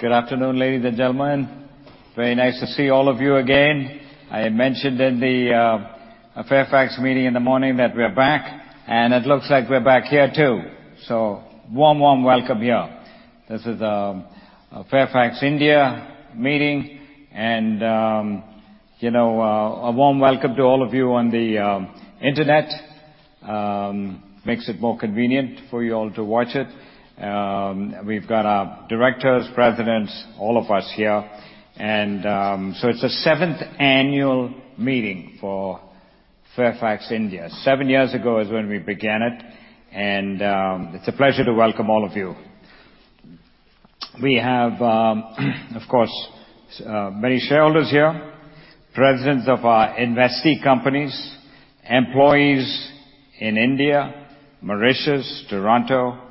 Good afternoon, ladies and gentlemen. Very nice to see all of you again. I mentioned in the Fairfax meeting in the morning that we're back, and it looks like we're back here too. Warm welcome here. This is Fairfax India meeting, and you know, a warm welcome to all of you on the internet. Makes it more convenient for you all to watch it. We've got our directors, presidents, all of us here, and so it's the seventh annual meeting for Fairfax India. Seven years ago is when we began it, and it's a pleasure to welcome all of you. We have, of course, many shareholders here, presidents of our investee companies, employees in India, Mauritius, Toronto,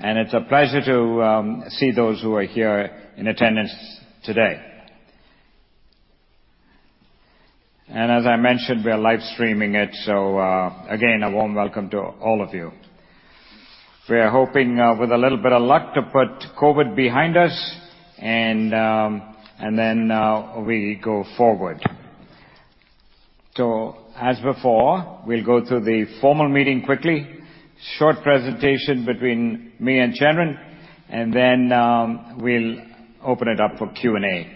and it's a pleasure to see those who are here in attendance today. As I mentioned, we are live streaming it, so, again, a warm welcome to all of you. We are hoping, with a little bit of luck to put COVID behind us and then we go forward. As before, we'll go through the formal meeting quickly. Short presentation between me and Chandran, and then we'll open it up for Q&A.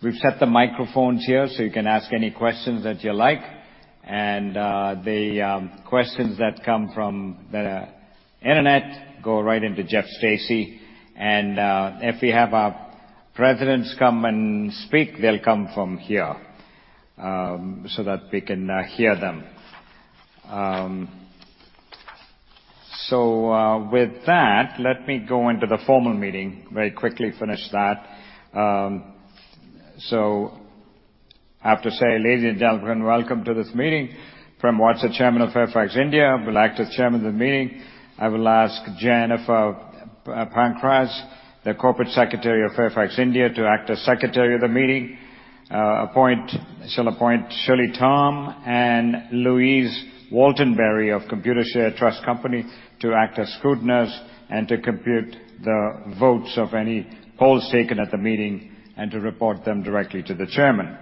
We've set the microphones here so you can ask any questions that you like. The questions that come from the Internet go right into Jeff Stacey. If we have our presidents come and speak, they'll come from here so that we can hear them. With that, let me go into the formal meeting, very quickly finish that. I have to say, ladies and gentlemen, welcome to this meeting. Prem Watsa, Chairman of Fairfax India, will act as chairman of the meeting. I will ask Jennifer Pankratz, the Corporate Secretary of Fairfax India, to act as Secretary of the meeting. She'll appoint Shirley Tom and Louise Waltenbury of Computershare Trust Company to act as scrutineers and to compute the votes of any polls taken at the meeting and to report them directly to the chairman.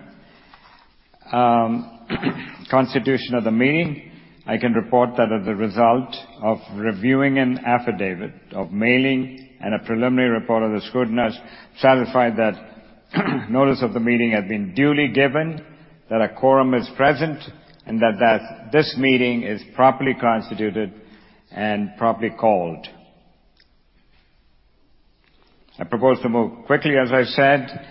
Constitution of the meeting. I can report that as a result of reviewing an affidavit of mailing and a preliminary report of the scrutineers, satisfied that notice of the meeting has been duly given, that a quorum is present, and that this meeting is properly constituted and properly called. I propose to move quickly, as I've said,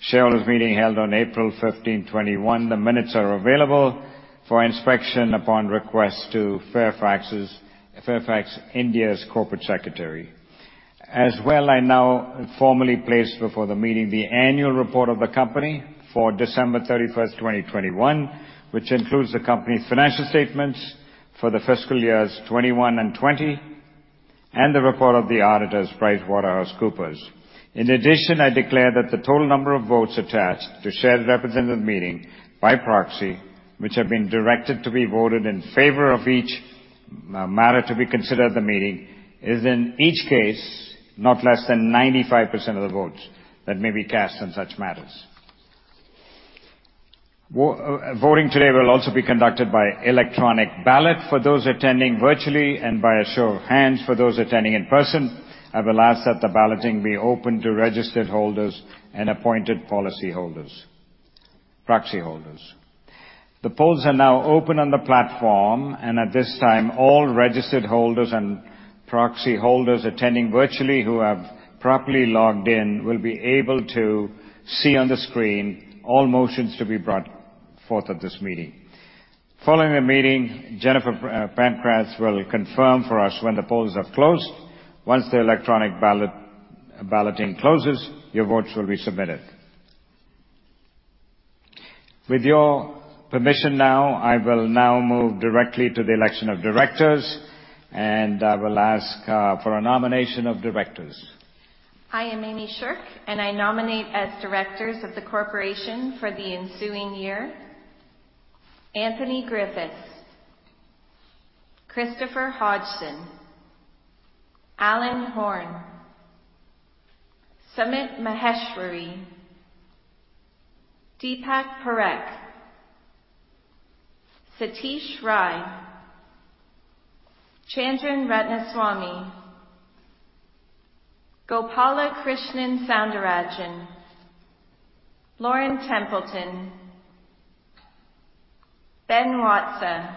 shareholders meeting held on April 15th, 2021. The minutes are available for inspection upon request to Fairfax India's corporate secretary. I now formally place before the meeting the annual report of the company for December 31st, 2021, which includes the company's financial statements for the fiscal years 2021 and 2020, and the report of the auditors, PricewaterhouseCoopers. In addition, I declare that the total number of votes attached to shareholders present at the meeting by proxy, which have been directed to be voted in favor of each matter to be considered at the meeting, is in each case, not less than 95% of the votes that may be cast on such matters. Voting today will also be conducted by electronic ballot for those attending virtually and by a show of hands for those attending in person. I will ask that the balloting be opened to registered holders and appointed proxy holders. The polls are now open on the platform, and at this time, all registered holders and proxy holders attending virtually who have properly logged in will be able to see on the screen all motions to be brought forth at this meeting. Following the meeting, Jennifer Pankratz will confirm for us when the polls have closed. Once the electronic balloting closes, your votes will be submitted. With your permission now, I will now move directly to the election of directors, and I will ask for a nomination of directors. I am Amy Sherk, and I nominate as directors of the corporation for the ensuing year, Anthony Griffiths, Christopher Hodgson, Alan Horn, Sumit Maheshwari, Deepak Parekh, Satish Rai, Chandran Ratnaswami, Gopalakrishnan Soundarajan, Lauren Templeton, Ben Watsa,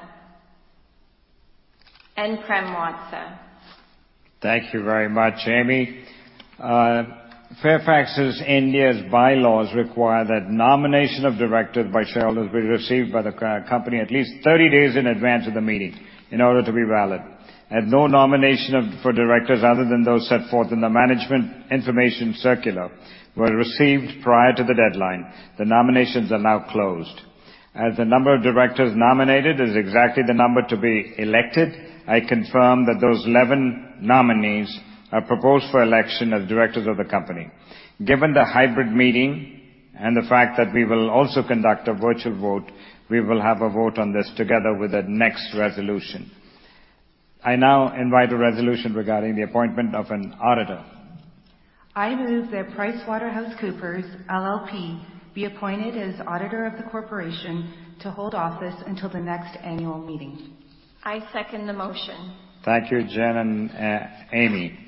and Prem Watsa. Thank you very much, Amy. Fairfax India's bylaws require that nomination of directors by shareholders be received by the company at least 30 days in advance of the meeting in order to be valid. As no nomination of directors other than those set forth in the management information circular were received prior to the deadline, the nominations are now closed. As the number of directors nominated is exactly the number to be elected, I confirm that those 11 nominees are proposed for election as directors of the company. Given the hybrid meeting and the fact that we will also conduct a virtual vote, we will have a vote on this together with the next resolution. I now invite a resolution regarding the appointment of an auditor. I move that PricewaterhouseCoopers LLP be appointed as auditor of the corporation to hold office until the next annual meeting. I second the motion. Thank you, Jen and Amy.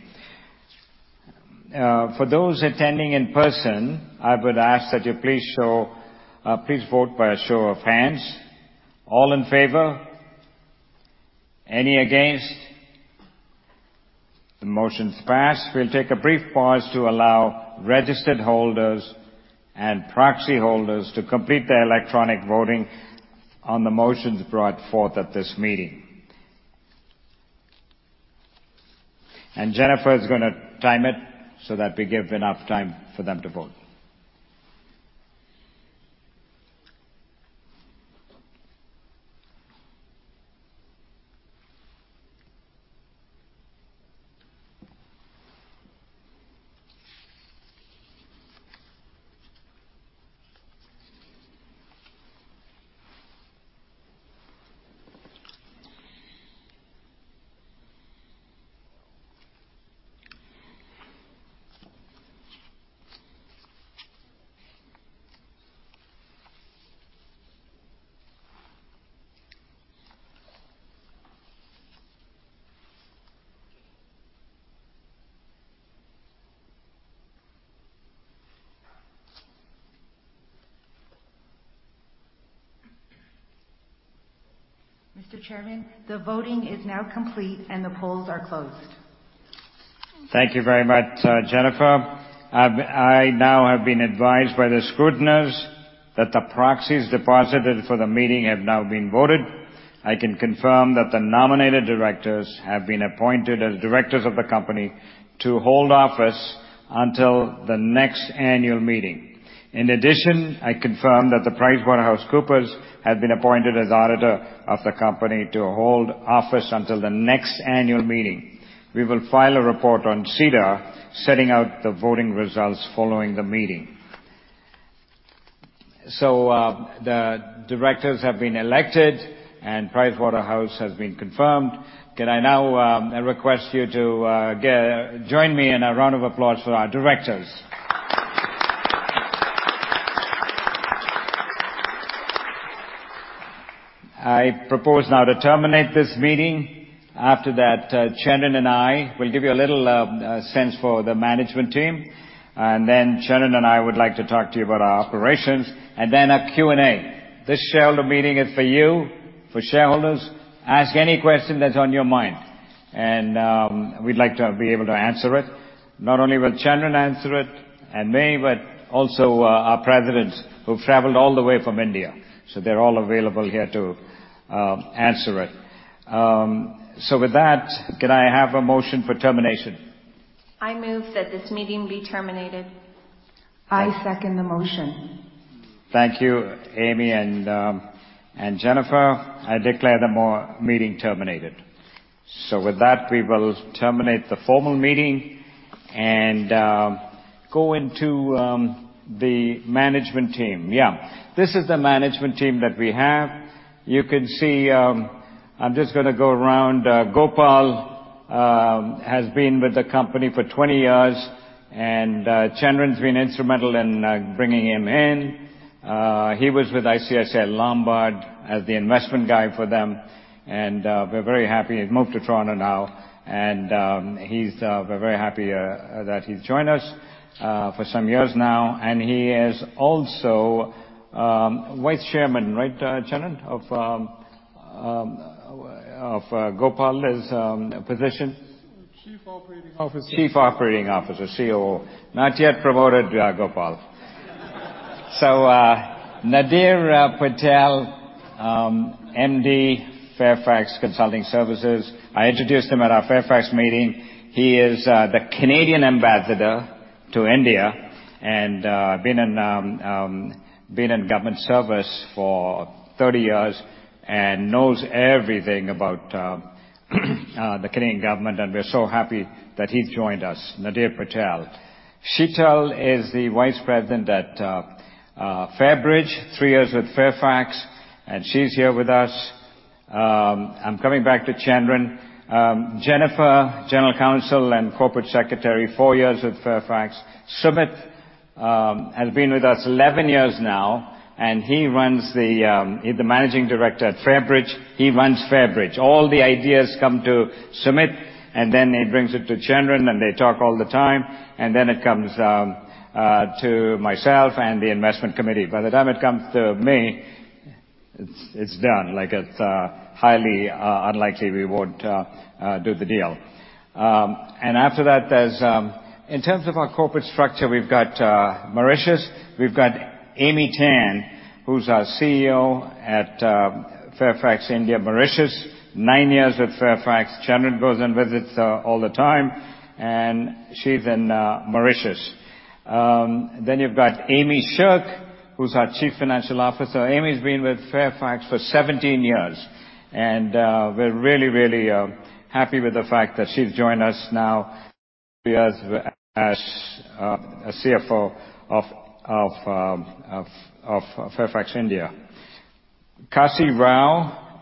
For those attending in person, I would ask that you please vote by a show of hands. All in favor? Any against? The motion's passed. We'll take a brief pause to allow registered holders and proxy holders to complete their electronic voting on the motions brought forth at this meeting. Jennifer is gonna time it so that we give enough time for them to vote. Mr. Chairman, the voting is now complete and the polls are closed. Thank you very much, Jennifer. I now have been advised by the scrutineers that the proxies deposited for the meeting have now been voted. I can confirm that the nominated directors have been appointed as directors of the company to hold office until the next annual meeting. In addition, I confirm that PricewaterhouseCoopers have been appointed as auditor of the company to hold office until the next annual meeting. We will file a report on SEDAR setting out the voting results following the meeting. The directors have been elected, and PricewaterhouseCoopers has been confirmed. Can I now request you to join me in a round of applause for our directors? I propose now to terminate this meeting. After that, Chandran and I will give you a little sense for the management team. Chandran and I would like to talk to you about our operations and then a Q&A. This shareholder meeting is for you, for shareholders. Ask any question that's on your mind, and we'd like to be able to answer it. Not only will Chandran answer it, and me, but also our presidents who've traveled all the way from India. They're all available here to answer it. With that, can I have a motion for adjournment? I move that this meeting be terminated. I second the motion. Thank you, Amy, and Jennifer. I declare the meeting terminated. With that, we will terminate the formal meeting and go into the management team. Yeah. This is the management team that we have. You can see. I'm just gonna go around. Gopal has been with the company for 20 years, and Chandran's been instrumental in bringing him in. He was with ICICI Lombard as the investment guy for them, and we're very happy. He's moved to Toronto now, and we're very happy that he's joined us for some years now, and he is also vice chairman. Right, Chandran? Of Gopal's position. Chief Operating Officer. Chief Operating Officer, COO. Not yet promoted, Gopal. Nadir Patel, MD, Fairfax Consulting Services. I introduced him at our Fairfax meeting. He is the Canadian ambassador to India and been in government service for 30 years and knows everything about the Canadian government, and we're so happy that he's joined us. Nadir Patel. Sheetal is the Vice President at Fairbridge, three years with Fairfax, and she's here with us. I'm coming back to Chandran. Jennifer, General Counsel and Corporate Secretary, four years with Fairfax. Sumit has been with us 11 years now, and he's the Managing Director at Fairbridge. He runs Fairbridge. All the ideas come to Sumit, and then he brings it to Chandran, and they talk all the time. It comes to myself and the investment committee. By the time it comes to me, it's done. It's highly unlikely we won't do the deal. After that, in terms of our corporate structure, we've got Mauritius. We've got Amy Tan, who's our CEO at Fairfax India Mauritius, nine years with Fairfax. Chandran goes and visits all the time, and she's in Mauritius. Then you've got Amy Sherk who's our Chief Financial Officer. Amy's been with Fairfax for 17 years, and we're really happy with the fact that she's joined us now as a CFO of Fairfax India. Kasi Rao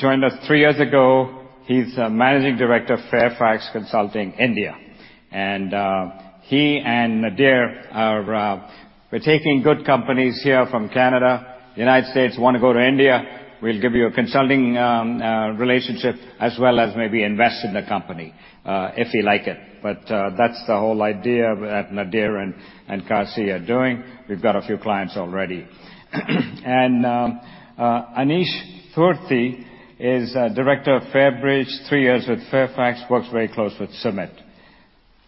joined us three years ago. He's Managing Director, Fairfax Consulting Services India. He and Nadir are, we're taking good companies here from Canada. United States want to go to India, we'll give you a consulting relationship, as well as maybe invest in the company, if we like it. That's the whole idea that Nadir and Kasi are doing. We've got a few clients already. Anish Thurthi is Director of Fairbridge. Three years with Fairfax. Works very close with Sumit.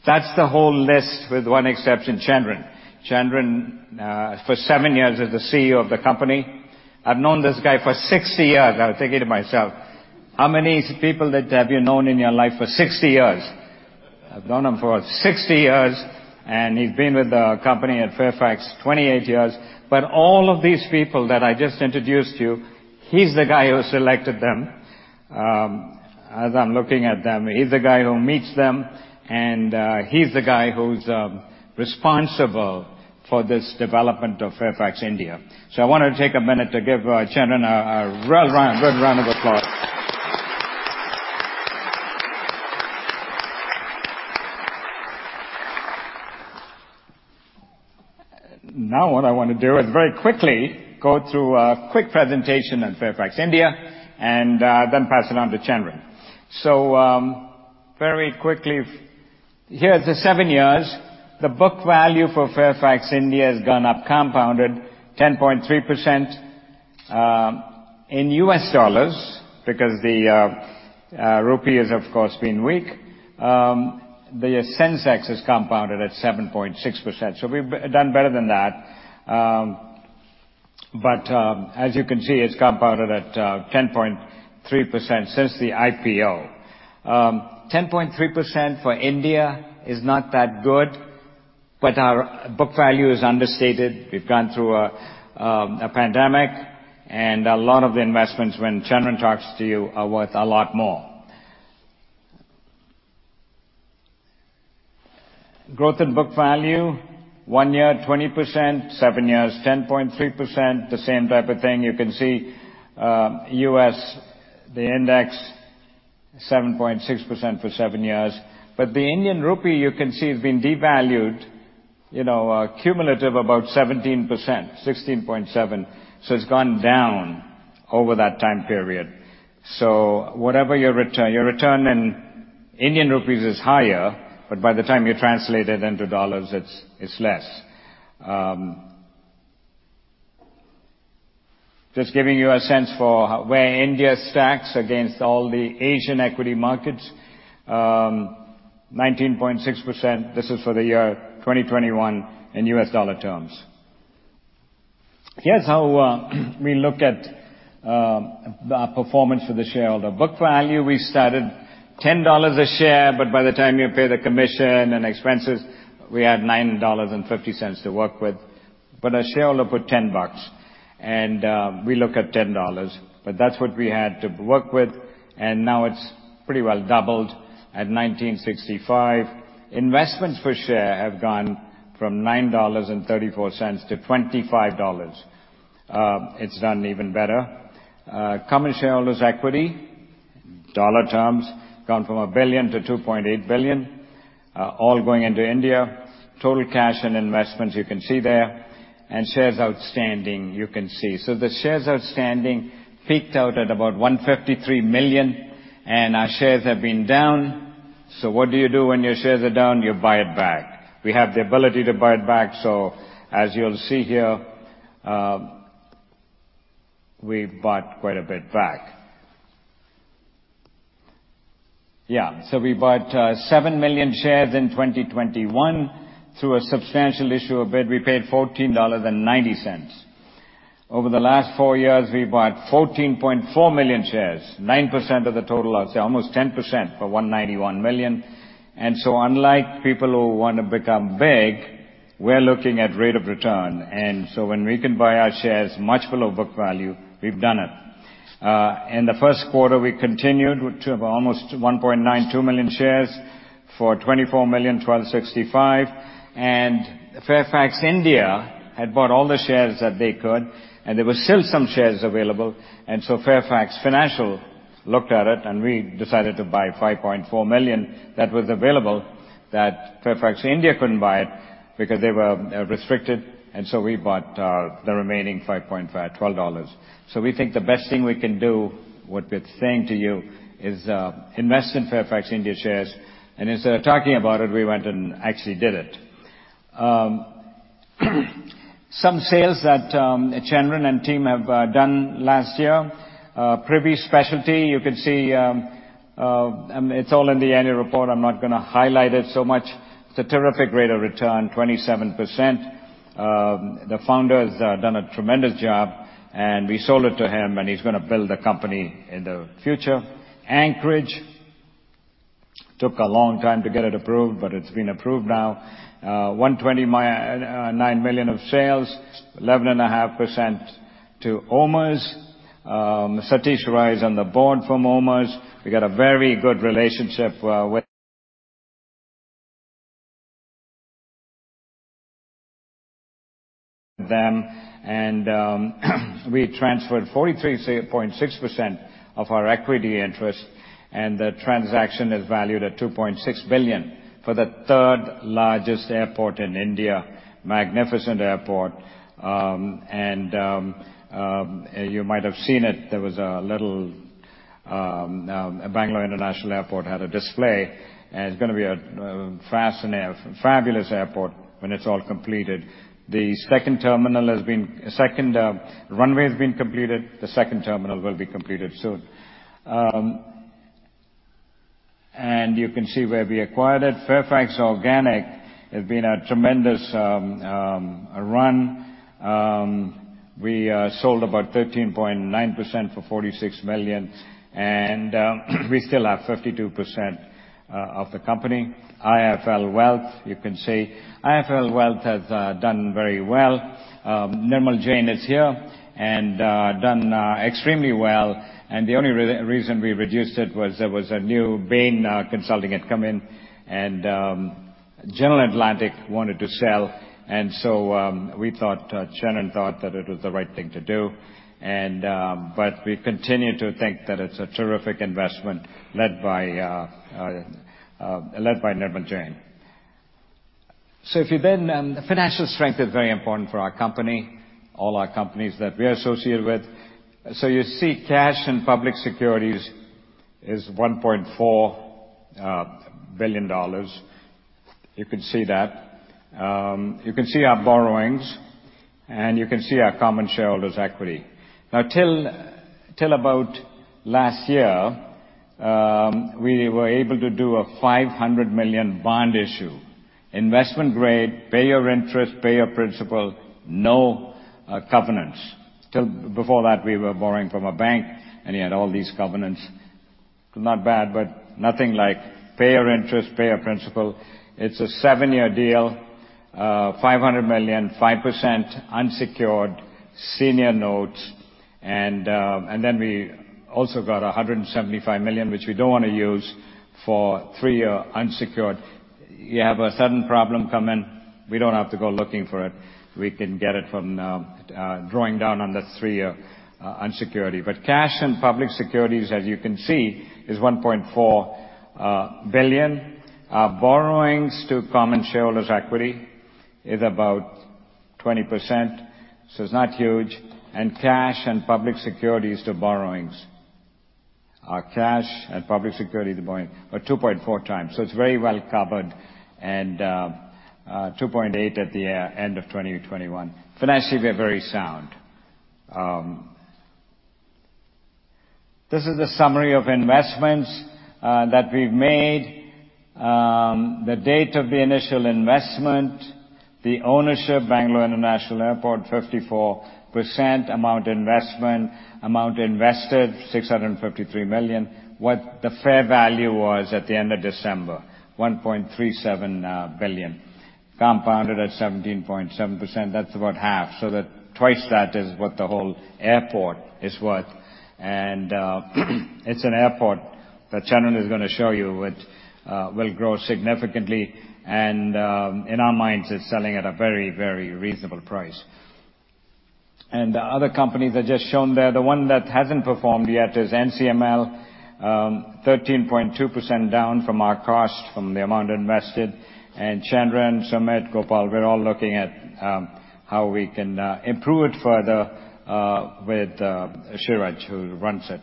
That's the whole list, with one exception, Chandran. Chandran, for seven years, is the CEO of the company. I've known this guy for 60 years. I was thinking to myself, "How many people that have you known in your life for 60 years?" I've known him for 60 years, and he's been with the company at Fairfax 28 years. All of these people that I just introduced you, he's the guy who selected them, as I'm looking at them. He's the guy who meets them, and he's the guy who's responsible for this development of Fairfax India. I want to take a minute to give Chandran a round of applause. Now what I wanna do is very quickly go through a quick presentation on Fairfax India and then pass it on to Chandran. Very quickly, here are the seven years. The book value for Fairfax India has gone up compounded 10.3% in U.S. dollars, because the rupee has, of course, been weak. The Sensex has compounded at 7.6%, so we've done better than that. As you can see, it's compounded at 10.3% since the IPO. 10.3% For India is not that good, but our book value is understated. We've gone through a pandemic, and a lot of the investments, when Chandran Ratnaswami talks to you, are worth a lot more. Growth in book value, one year, 20%. Seven years, 10.3%. The same type of thing. You can see, U.S., the index, 7.6% for seven years. The Indian rupee, you can see, has been devalued, you know, cumulative about 17%, 16.7%. It's gone down over that time period. Whatever your return, your return in Indian rupees is higher, but by the time you translate it into dollars, it's less. Just giving you a sense for where India stacks against all the Asian equity markets. 19.6%. This is for the year 2021 in U.S. dollar terms. Here's how we look at our performance for the shareholder. Book value, we started $10 a share, but by the time you pay the commission and expenses, we had $9.50 to work with. But a shareholder put $10 bucks and we look at $10, but that's what we had to work with, and now it's pretty well doubled at $19.65. Investments per share have gone from $9.34 to $25. It's done even better. Common shareholders equity, dollar terms, gone from $1 billion to $2.8 billion, all going into India. Total cash and investments, you can see there. Shares outstanding, you can see. The shares outstanding peaked out at about 153 million, and our shares have been down. What do you do when your shares are down? You buy it back. We have the ability to buy it back, so as you'll see here, we bought quite a bit back. Yeah. We bought 7 million shares in 2021 through a substantial issuer bid. We paid $14.90. Over the last four years, we bought 14.4 million shares. 9% of the total, I'd say almost 10% for 191 million. Unlike people who wanna become big, we're looking at rate of return. When we can buy our shares much below book value, we've done it. In the first quarter, we continued with almost 1.92 million shares for $24 million at $12.65. Fairfax India had bought all the shares that they could, and there were still some shares available. Fairfax Financial looked at it, and we decided to buy 5.4 million that was available, that Fairfax India couldn't buy it because they were restricted, and we bought the remaining 5.5 million at $12. We think the best thing we can do, what we're saying to you, is invest in Fairfax India shares. Instead of talking about it, we went and actually did it. Some sales that Chandran and team have done last year. Privi Speciality, you can see, it's all in the annual report. I'm not gonna highlight it so much. It's a terrific rate of return, 27%. The founder has done a tremendous job, and we sold it to him, and he's gonna build a company in the future. Anchorage. Took a long time to get it approved, but it's been approved now. $129 million of sales, 11.5% to OMERS. Satish Rai is on the board from OMERS. We got a very good relationship with them, and we transferred 43.6% of our equity interest, and the transaction is valued at $2.6 billion for the third largest airport in India. Magnificent airport. You might have seen it. There was a little display, and it's gonna be a fabulous airport when it's all completed. Second runway has been completed. The second terminal will be completed soon. You can see where we acquired it. Fairchem Organics has been a tremendous run. We sold about 13.9% for $46 million, and we still have 52% of the company. IIFL Wealth, you can see. IIFL Wealth has done very well. Nirmal Jain is here and has done extremely well. The only reason we reduced it was there was a new Bain Capital had come in, and General Atlantic wanted to sell. We thought, Chandran thought that it was the right thing to do. We continue to think that it's a terrific investment led by Nirmal Jain. The financial strength is very important for our company, all our companies that we are associated with. You see cash and public securities is $1.4 billion. You can see that. You can see our borrowings, and you can see our common shareholders' equity. Now till about last year, we were able to do a $500 million bond issue. Investment grade, pay your interest, pay your principal, no covenants. Till before that, we were borrowing from a bank, and you had all these covenants. Not bad, but nothing like pay your interest, pay your principal. It's a seven-year deal, $500 million, 5% unsecured senior notes. And then we also got a $175 million, which we don't wanna use, for three-year unsecured. You have a sudden problem come in, we don't have to go looking for it. We can get it from drawing down on the three-year unsecured. But cash and public securities, as you can see, is $1.4 billion. Borrowings to common shareholders' equity is about 20%, so it's not huge. Cash and public securities to borrowings are 2.4x. So it's very well covered and 2.8x at the end of 2021. Financially, we are very sound. This is a summary of investments that we've made. The date of the initial investment, the ownership, Bangalore International Airport, 54%. Amount invested, $653 million. What the fair value was at the end of December, $1.37 billion, compounded at 17.7%. That's about half. The twice that is what the whole airport is worth. It's an airport that Chandran is gonna show you. It will grow significantly, and in our minds, it's selling at a very, very reasonable price. The other companies are just shown there. The one that hasn't performed yet is NCML, 13.2% down from our cost, from the amount invested. Chandran, Sumit, Gopal, we're all looking at how we can improve it further with Shiraj, who runs it.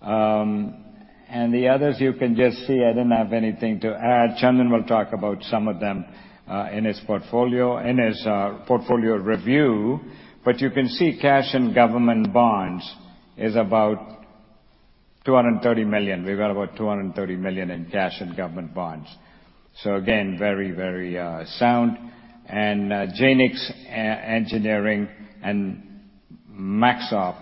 The others you can just see. I didn't have anything to add. Chandran will talk about some of them in his portfolio, in his portfolio review. You can see cash and government bonds is about $230 million. We've got about $230 million in cash and government bonds. So again, very, very sound. Jaynix Engineering and Maxop,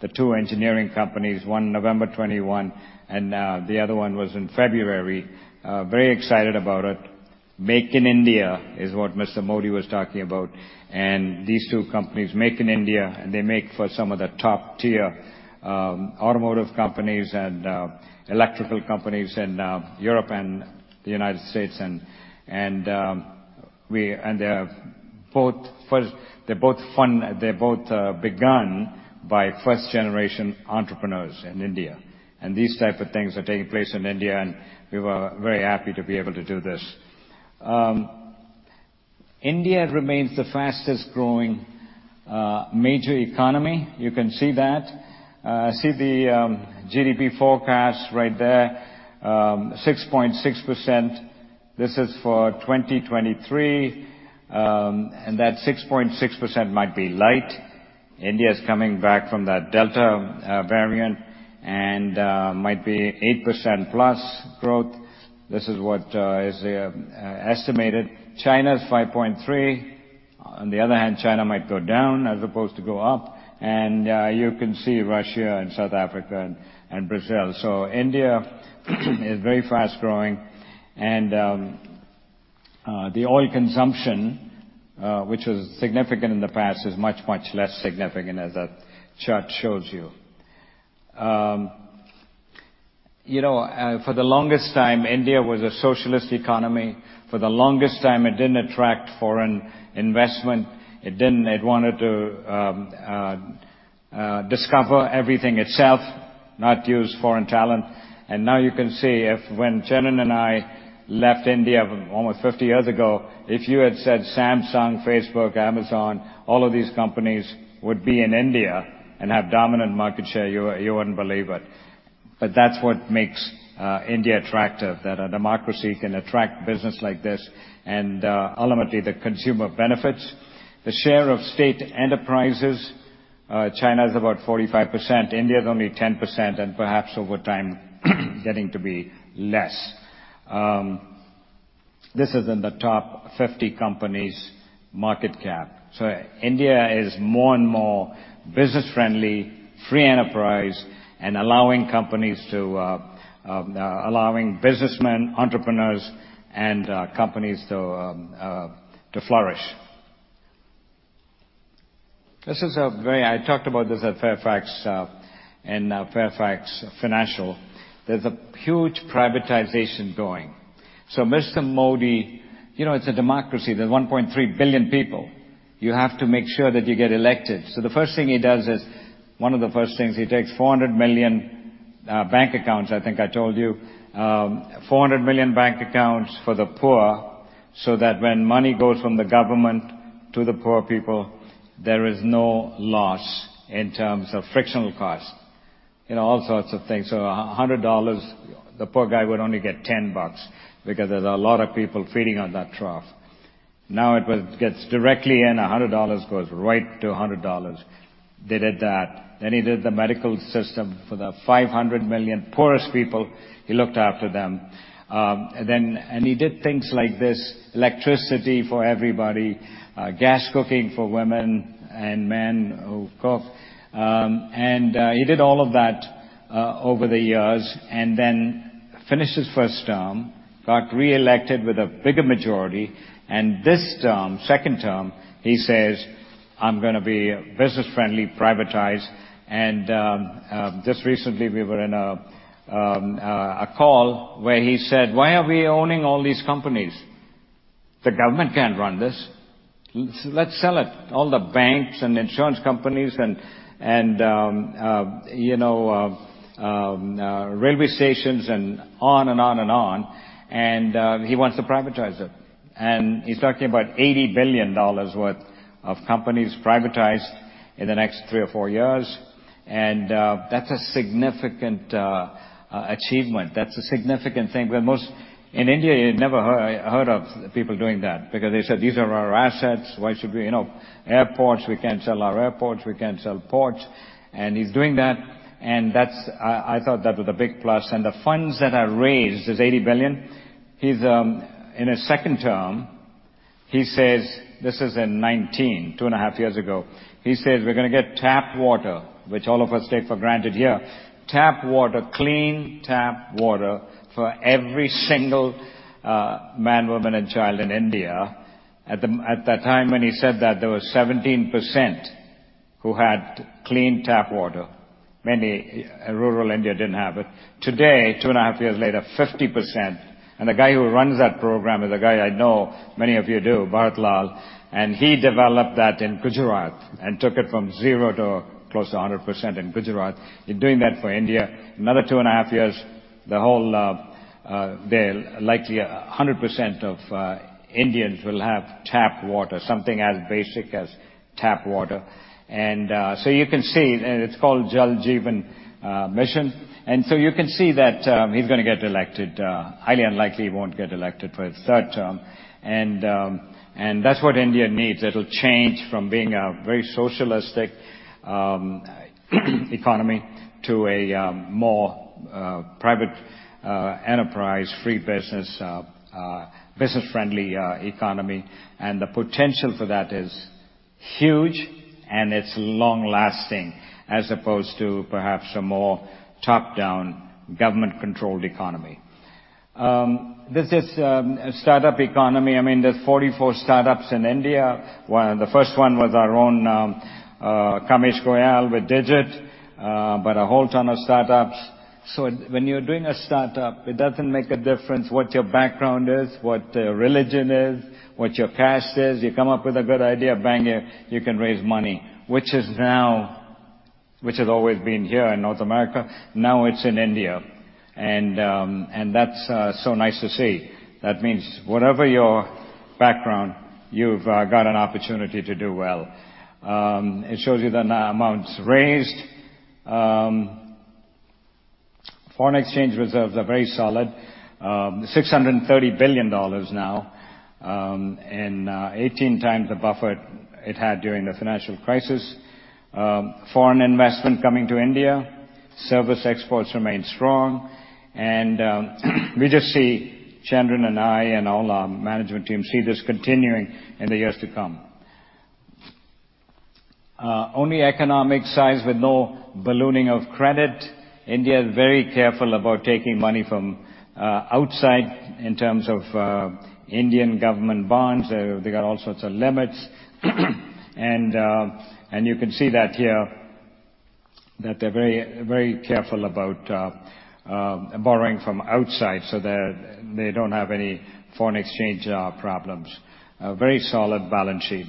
the two engineering companies, one November 2021 and the other one was in February. Very excited about it. Make in India is what Mr. Modi was talking about. These two companies make in India, and they make for some of the top-tier automotive companies and electrical companies in Europe and the United States. They're both run by first-generation entrepreneurs in India. These type of things are taking place in India, and we were very happy to be able to do this. India remains the fastest growing major economy. You can see that. See the GDP forecast right there, 6.6%. This is for 2023. That 6.6% might be light. India is coming back from that Delta variant and might be 8%+ growth. This is what is estimated. China's 5.3%. On the other hand, China might go down as opposed to go up. You can see Russia and South Africa and Brazil. India is very fast-growing. The oil consumption, which was significant in the past, is much less significant as that chart shows you. You know, for the longest time, India was a socialist economy. For the longest time, it didn't attract foreign investment. It wanted to discover everything itself, not use foreign talent. Now you can see if when Chandran and I left India almost 50 years ago, if you had said Samsung, Facebook, Amazon, all of these companies would be in India and have dominant market share, you wouldn't believe it. That's what makes India attractive, that a democracy can attract business like this and ultimately, the consumer benefits. The share of state enterprises, China is about 45%, India is only 10%, and perhaps over time, getting to be less. This is in the top 50 companies market cap. India is more and more business-friendly, free enterprise, and allowing businessmen, entrepreneurs and companies to flourish. I talked about this at Fairfax, in Fairfax Financial. There's a huge privatization going. Mr. Modi, you know, it's a democracy. There's 1.3 billion people. You have to make sure that you get elected. The first thing he does is, one of the first things, he takes 400 million bank accounts, I think I told you, 400 million bank accounts for the poor, so that when money goes from the government to the poor people, there is no loss in terms of frictional costs. You know, all sorts of things. A hundred dollars, the poor guy would only get ten bucks because there's a lot of people feeding on that trough. Now, gets directly in, $100 goes right to $100. They did that. He did the medical system for the 500 million poorest people. He looked after them. He did things like this, electricity for everybody, gas cooking for women and men who cook. He did all of that over the years and then finished his first term, got reelected with a bigger majority. This term, second term, he says, "I'm gonna be business-friendly, privatized." Just recently, we were in a call where he said, "Why are we owning all these companies? The government can't run this. Let's sell it." All the banks and insurance companies and you know, railway stations and on and on and on. He wants to privatize it. He's talking about $80 billion worth of companies privatized in the next three or four years. That's a significant achievement. That's a significant thing. In India, you never heard of people doing that because they said, "These are our assets. Why should we airports, we can't sell our airports. We can't sell ports." He's doing that, and that's I thought that was a big plus. The funds that are raised is 80 billion. He's in his second term, he says. This is in 2019, two and a half years ago. He says, "We're gonna get tap water," which all of us take for granted here. Tap water, clean tap water for every single man, woman, and child in India. At that time when he said that, there was 17% who had clean tap water. Many rural India didn't have it. Today, two and a half years later, 50%. The guy who runs that program is a guy I know, many of you do, Bharat Lal. He developed that in Gujarat and took it from zero to close to 100% in Gujarat. He's doing that for India. Another two and a half years, the whole they'll likely 100% of Indians will have tap water, something as basic as tap water. You can see, and it's called Jal Jeevan Mission. You can see that he's gonna get elected. Highly unlikely he won't get elected for a third term. That's what India needs. It'll change from being a very socialistic economy to a more private enterprise, free business-friendly economy. The potential for that is huge and it's long-lasting, as opposed to perhaps a more top-down, government-controlled economy. This is a startup economy. I mean, there's 44 startups in India. The first one was our own, Kamesh Goyal with Digit, but a whole ton of startups. When you're doing a startup, it doesn't make a difference what your background is, what religion is, what your caste is. You come up with a good idea, bang, you can raise money, which has always been here in North America, now it's in India. That's so nice to see. That means whatever your background, you've got an opportunity to do well. It shows you the amounts raised. Foreign exchange reserves are very solid. $630 billion now, and 18x the buffer it had during the financial crisis. Foreign investment coming to India. Service exports remain strong. We just see, Chandran and I, and all our management team see this continuing in the years to come. Only economic size with no ballooning of credit. India is very careful about taking money from outside in terms of Indian government bonds. They got all sorts of limits. You can see that here, that they're very, very careful about borrowing from outside, so they don't have any foreign exchange problems. A very solid balance sheet.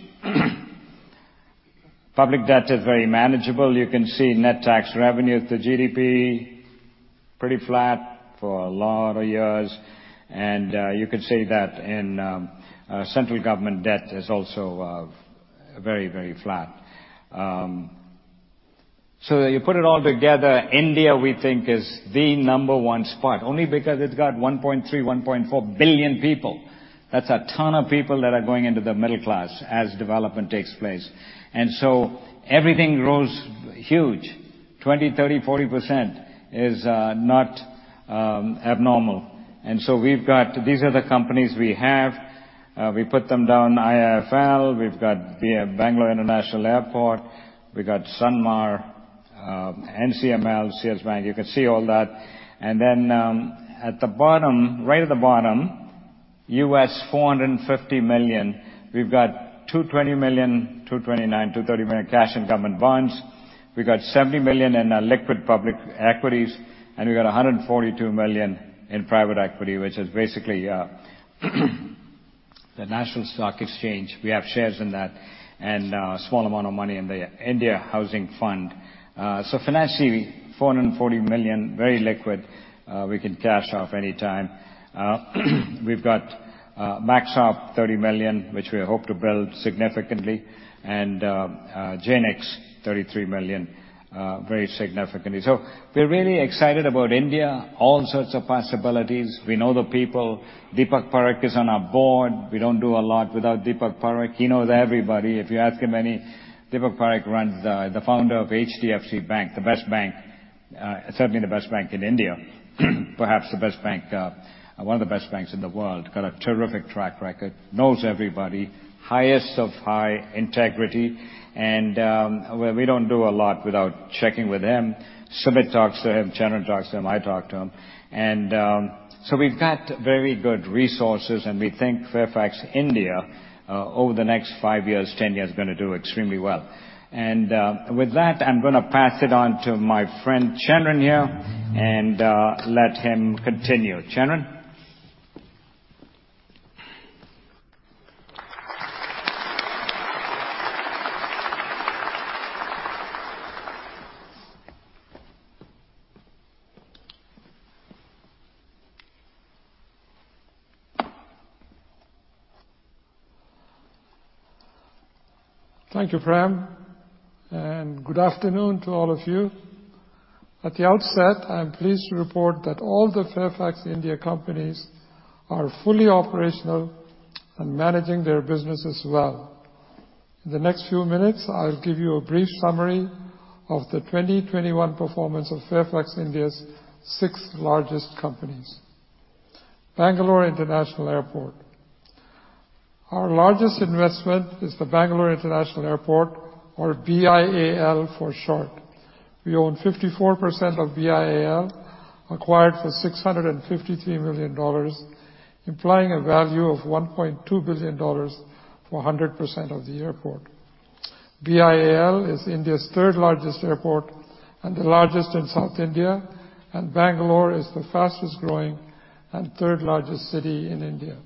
Public debt is very manageable. You can see net tax revenue to GDP, pretty flat for a lot of years. You could see that in central government debt is also very flat. You put it all together, India, we think, is the number one spot, only because it's got 1.3 billion-1.4 billion people. That's a ton of people that are going into the middle class as development takes place. Everything grows huge. 20%, 30%, 40% is not abnormal. We have these are the companies we have. We put them down, IIFL. We've got BIAL, Bangalore International Airport. We've got Sanmar, NCML, CSB Bank. You can see all that. At the bottom, right at the bottom, $450 million. We've got $220 million, $229 million, $230 million cash and government bonds. We've got $70 million in liquid public equities, and we've got $142 million in private equity, which is basically the National Stock Exchange. We have shares in that and a small amount of money in the India Housing Fund. Financially, $440 million, very liquid, we can cash out anytime. We've got Maxop, $30 million, which we hope to build significantly, and Jaynix, $33 million, very significantly. We're really excited about India. All sorts of possibilities. We know the people. Deepak Parekh is on our board. We don't do a lot without Deepak Parekh. He knows everybody. Deepak Parekh, the founder of HDFC Bank, the best bank, certainly the best bank in India. Perhaps the best bank, one of the best banks in the world. Got a terrific track record. Knows everybody. Highest of high integrity. Well, we don't do a lot without checking with him. Sumit talks to him, Chandran talks to him, I talk to him. We've got very good resources, and we think Fairfax India, over the next five years, 10 years, gonna do extremely well. With that, I'm gonna pass it on to my friend, Chandran, here, and let him continue. Chandran. Thank you, Prem, and good afternoon to all of you. At the outset, I'm pleased to report that all the Fairfax India companies are fully operational and managing their businesses well. In the next few minutes, I'll give you a brief summary of the 2021 performance of Fairfax India's six largest companies. Bangalore International Airport. Our largest investment is the Bangalore International Airport or BIAL for short. We own 54% of BIAL, acquired for $653 million, implying a value of $1.2 billion for 100% of the airport. BIAL is India's third largest airport and the largest in South India, and Bangalore is the fastest-growing and third largest city in India.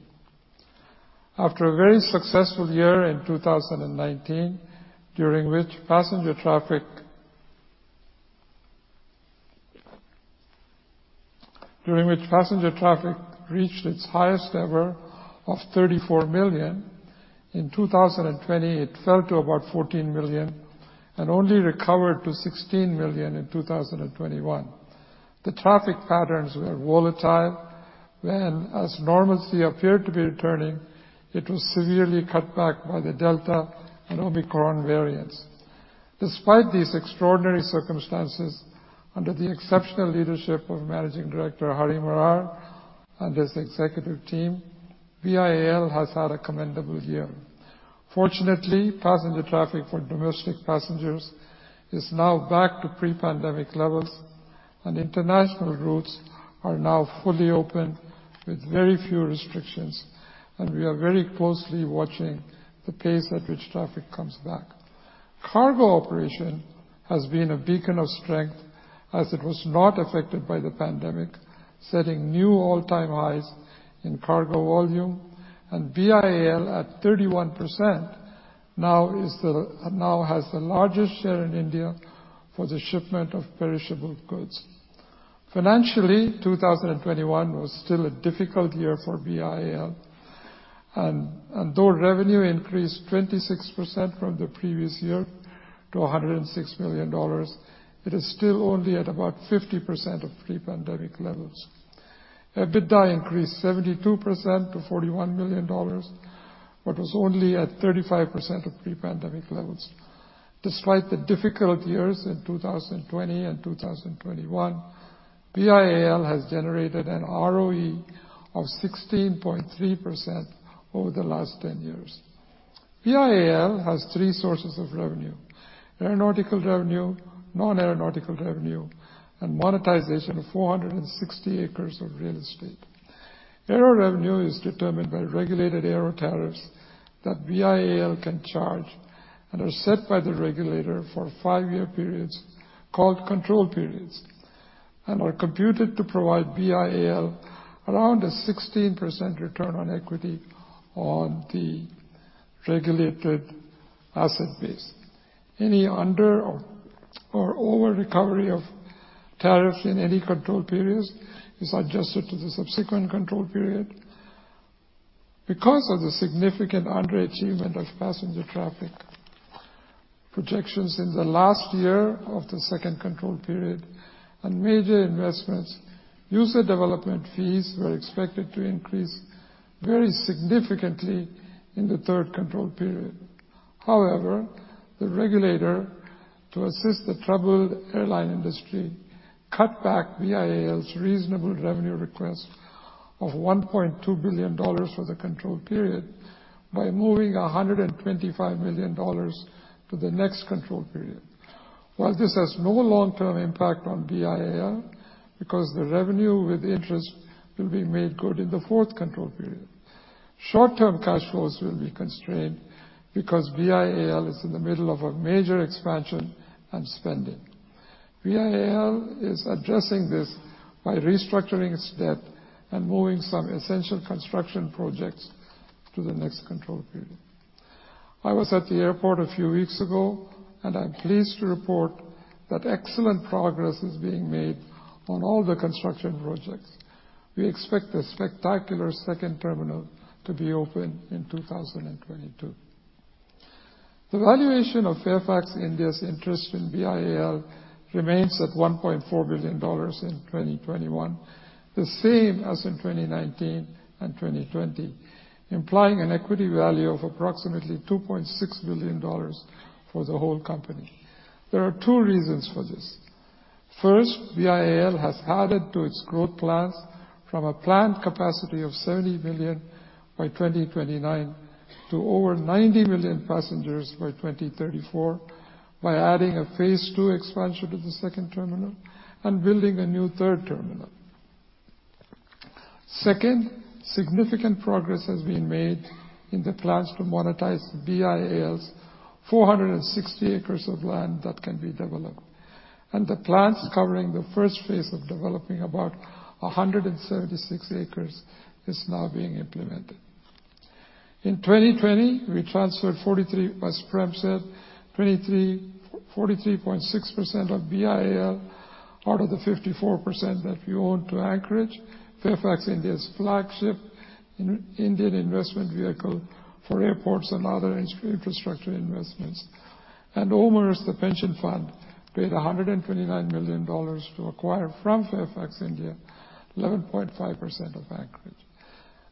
After a very successful year in 2019, during which passenger traffic reached its highest ever of 34 million. In 2020, it fell to about 14 million and only recovered to 16 million in 2021. The traffic patterns were volatile when, as normalcy appeared to be returning, it was severely cut back by the Delta and Omicron variants. Despite these extraordinary circumstances, under the exceptional leadership of Managing Director Hari Marar and his executive team, BIAL has had a commendable year. Fortunately, passenger traffic for domestic passengers is now back to pre-pandemic levels, and international routes are now fully open with very few restrictions, and we are very closely watching the pace at which traffic comes back. Cargo operation has been a beacon of strength as it was not affected by the pandemic, setting new all-time highs in cargo volume. BIAL, at 31%, now has the largest share in India for the shipment of perishable goods. Financially, 2021 was still a difficult year for BIAL. Though revenue increased 26% from the previous year to $106 million, it is still only at about 50% of pre-pandemic levels. EBITDA increased 72% to $41 million, but was only at 35% of pre-pandemic levels. Despite the difficult years in 2020 and 2021, BIAL has generated an ROE of 16.3% over the last 10 years. BIAL has three sources of revenue: aeronautical revenue, non-aeronautical revenue, and monetization of 460 acres of real estate. Aero revenue is determined by regulated aero tariffs that BIAL can charge and are set by the regulator for five-year periods called control periods, and are computed to provide BIAL around a 16% return on equity on the regulated asset base. Any under or over-recovery of tariff in any control periods is adjusted to the subsequent control period. Because of the significant underachievement of passenger traffic projections in the last year of the second control period and major investments, user development fees were expected to increase very significantly in the third control period. However, the regulator, to assist the troubled airline industry, cut back BIAL's reasonable revenue request of $1.2 billion for the control period by moving $125 million to the next control period. While this has no long-term impact on BIAL because the revenue with interest will be made good in the fourth control period, short-term cash flows will be constrained because BIAL is in the middle of a major expansion and spending. BIAL is addressing this by restructuring its debt and moving some essential construction projects to the next control period. I was at the airport a few weeks ago, and I'm pleased to report that excellent progress is being made on all the construction projects. We expect the spectacular second terminal to be open in 2022. The valuation of Fairfax India's interest in BIAL remains at $1.4 billion in 2021, the same as in 2019 and 2020, implying an equity value of approximately $2.6 billion for the whole company. There are two reasons for this. First, BIAL has added to its growth plans from a planned capacity of 70 million by 2029 to over 90 million passengers by 2034, by adding a phase two expansion to the second terminal and building a new third terminal. Second, significant progress has been made in the plans to monetize BIAL's 460 acres of land that can be developed. The plans covering the first phase of developing about 176 acres is now being implemented. In 2020, we transferred, as Prem said, 43.6% of BIAL out of the 54% that we own to Anchorage, Fairfax India's flagship Indian investment vehicle for airports and other infrastructure investments. OMERS, the pension fund, paid $129 million to acquire from Fairfax India 11.5% of Anchorage.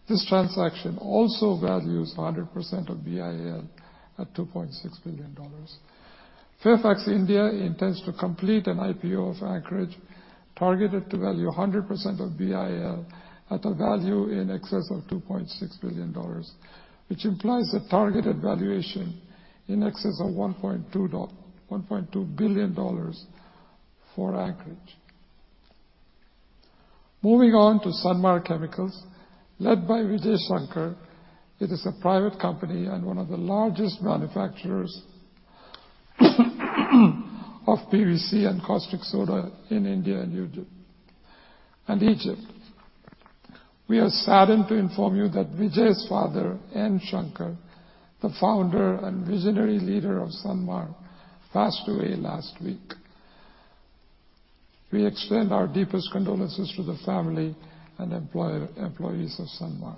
This transaction also values 100% of BIAL at $2.6 billion. Fairfax India intends to complete an IPO of Anchorage, targeted to value 100% of BIAL at a value in excess of $2.6 billion, which implies a targeted valuation in excess of $1.2 billion for Anchorage. Moving on to Sanmar Chemicals, led by Vijay Sankar. It is a private company and one of the largest manufacturers of PVC and caustic soda in India and Egypt. We are saddened to inform you that Vijay's father, N. Sankar, the founder and visionary leader of Sanmar, passed away last week. We extend our deepest condolences to the family and employees of Sanmar.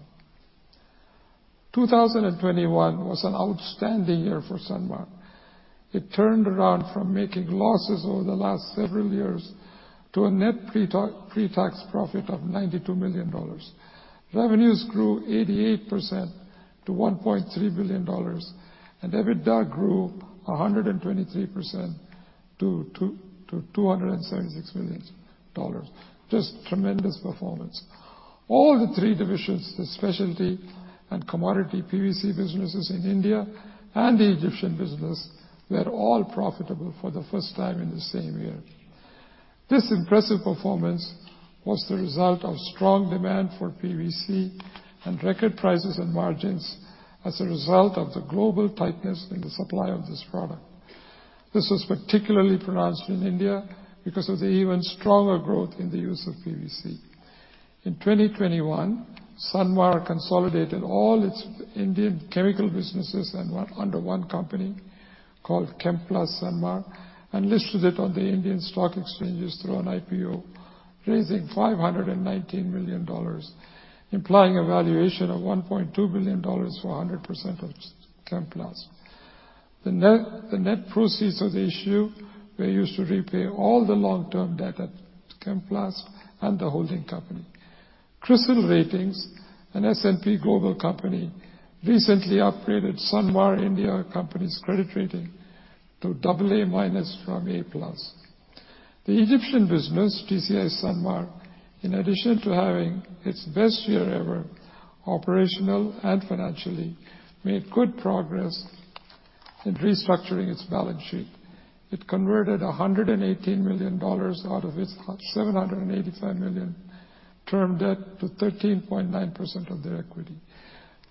2021 was an outstanding year for Sanmar. It turned around from making losses over the last several years to a net pre-tax profit of $92 million. Revenues grew 88% to $1.3 billion, and EBITDA grew 123% to $276 million. Just tremendous performance. All three divisions, the specialty and commodity PVC businesses in India and the Egyptian business, were all profitable for the first time in the same year. This impressive performance was the result of strong demand for PVC and record prices and margins as a result of the global tightness in the supply of this product. This was particularly pronounced in India because of the even stronger growth in the use of PVC. In 2021, Sanmar consolidated all its Indian chemical businesses and went under one company called Chemplast Sanmar and listed it on the Indian stock exchanges through an IPO, raising $519 million, implying a valuation of $1.2 billion for 100% of Chemplast. The net proceeds of the issue were used to repay all the long-term debt at Chemplast and the holding company. Crisil Ratings, an S&P Global company, recently upgraded Sanmar India Company's credit rating to AA- from A+. The Egyptian business, TCI Sanmar Chemicals, in addition to having its best year ever, operational and financially, made good progress in restructuring its balance sheet. It converted $118 million out of its $785 million term debt to 13.9% of their equity.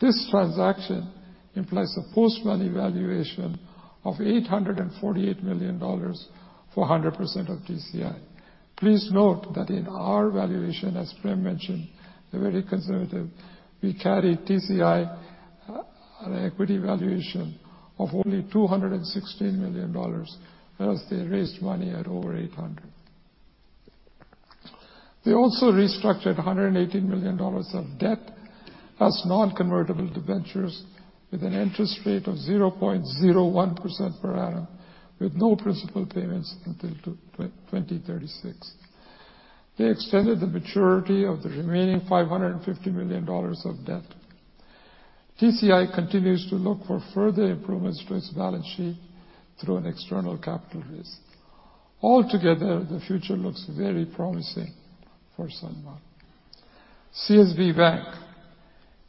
This transaction implies a post-money valuation of $848 million for 100% of TCI Sanmar Chemicals. Please note that in our valuation, as Prem mentioned, they're very conservative. We carry TCI Sanmar Chemicals at an equity valuation of only $216 million, whereas they raised money at over $800 million. They also restructured $118 million of debt as non-convertible debentures with an interest rate of 0.01% per annum, with no principal payments until 2036. They extended the maturity of the remaining $550 million of debt. TCI Sanmar Chemicals continues to look for further improvements to its balance sheet through an external capital raise. Altogether, the future looks very promising for Sanmar. CSB Bank.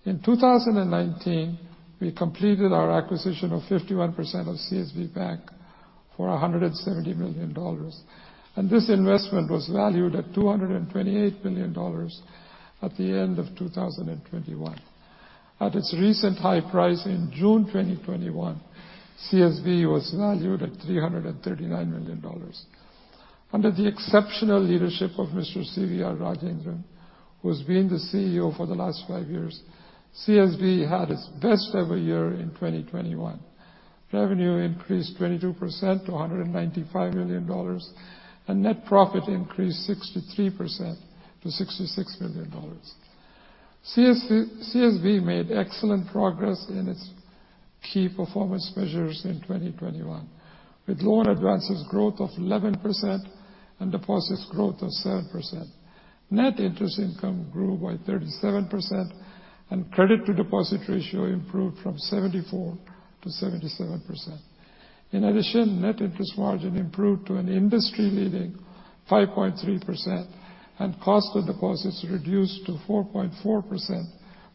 In 2019, we completed our acquisition of 51% of CSB Bank for $170 million. This investment was valued at $228 million at the end of 2021. At its recent high price in June 2021, CSB was valued at $339 million. Under the exceptional leadership of Mr. CVR Rajendran, who's been the CEO for the last five years, CSB had its best ever year in 2021. Revenue increased 22% to $195 million, and net profit increased 63% to $66 million. CSB made excellent progress in its key performance measures in 2021, with loan advances growth of 11% and deposits growth of 7%. Net interest income grew by 37% and credit to deposit ratio improved from 74% to 77%. In addition, net interest margin improved to an industry-leading 5.3% and cost of deposits reduced to 4.4%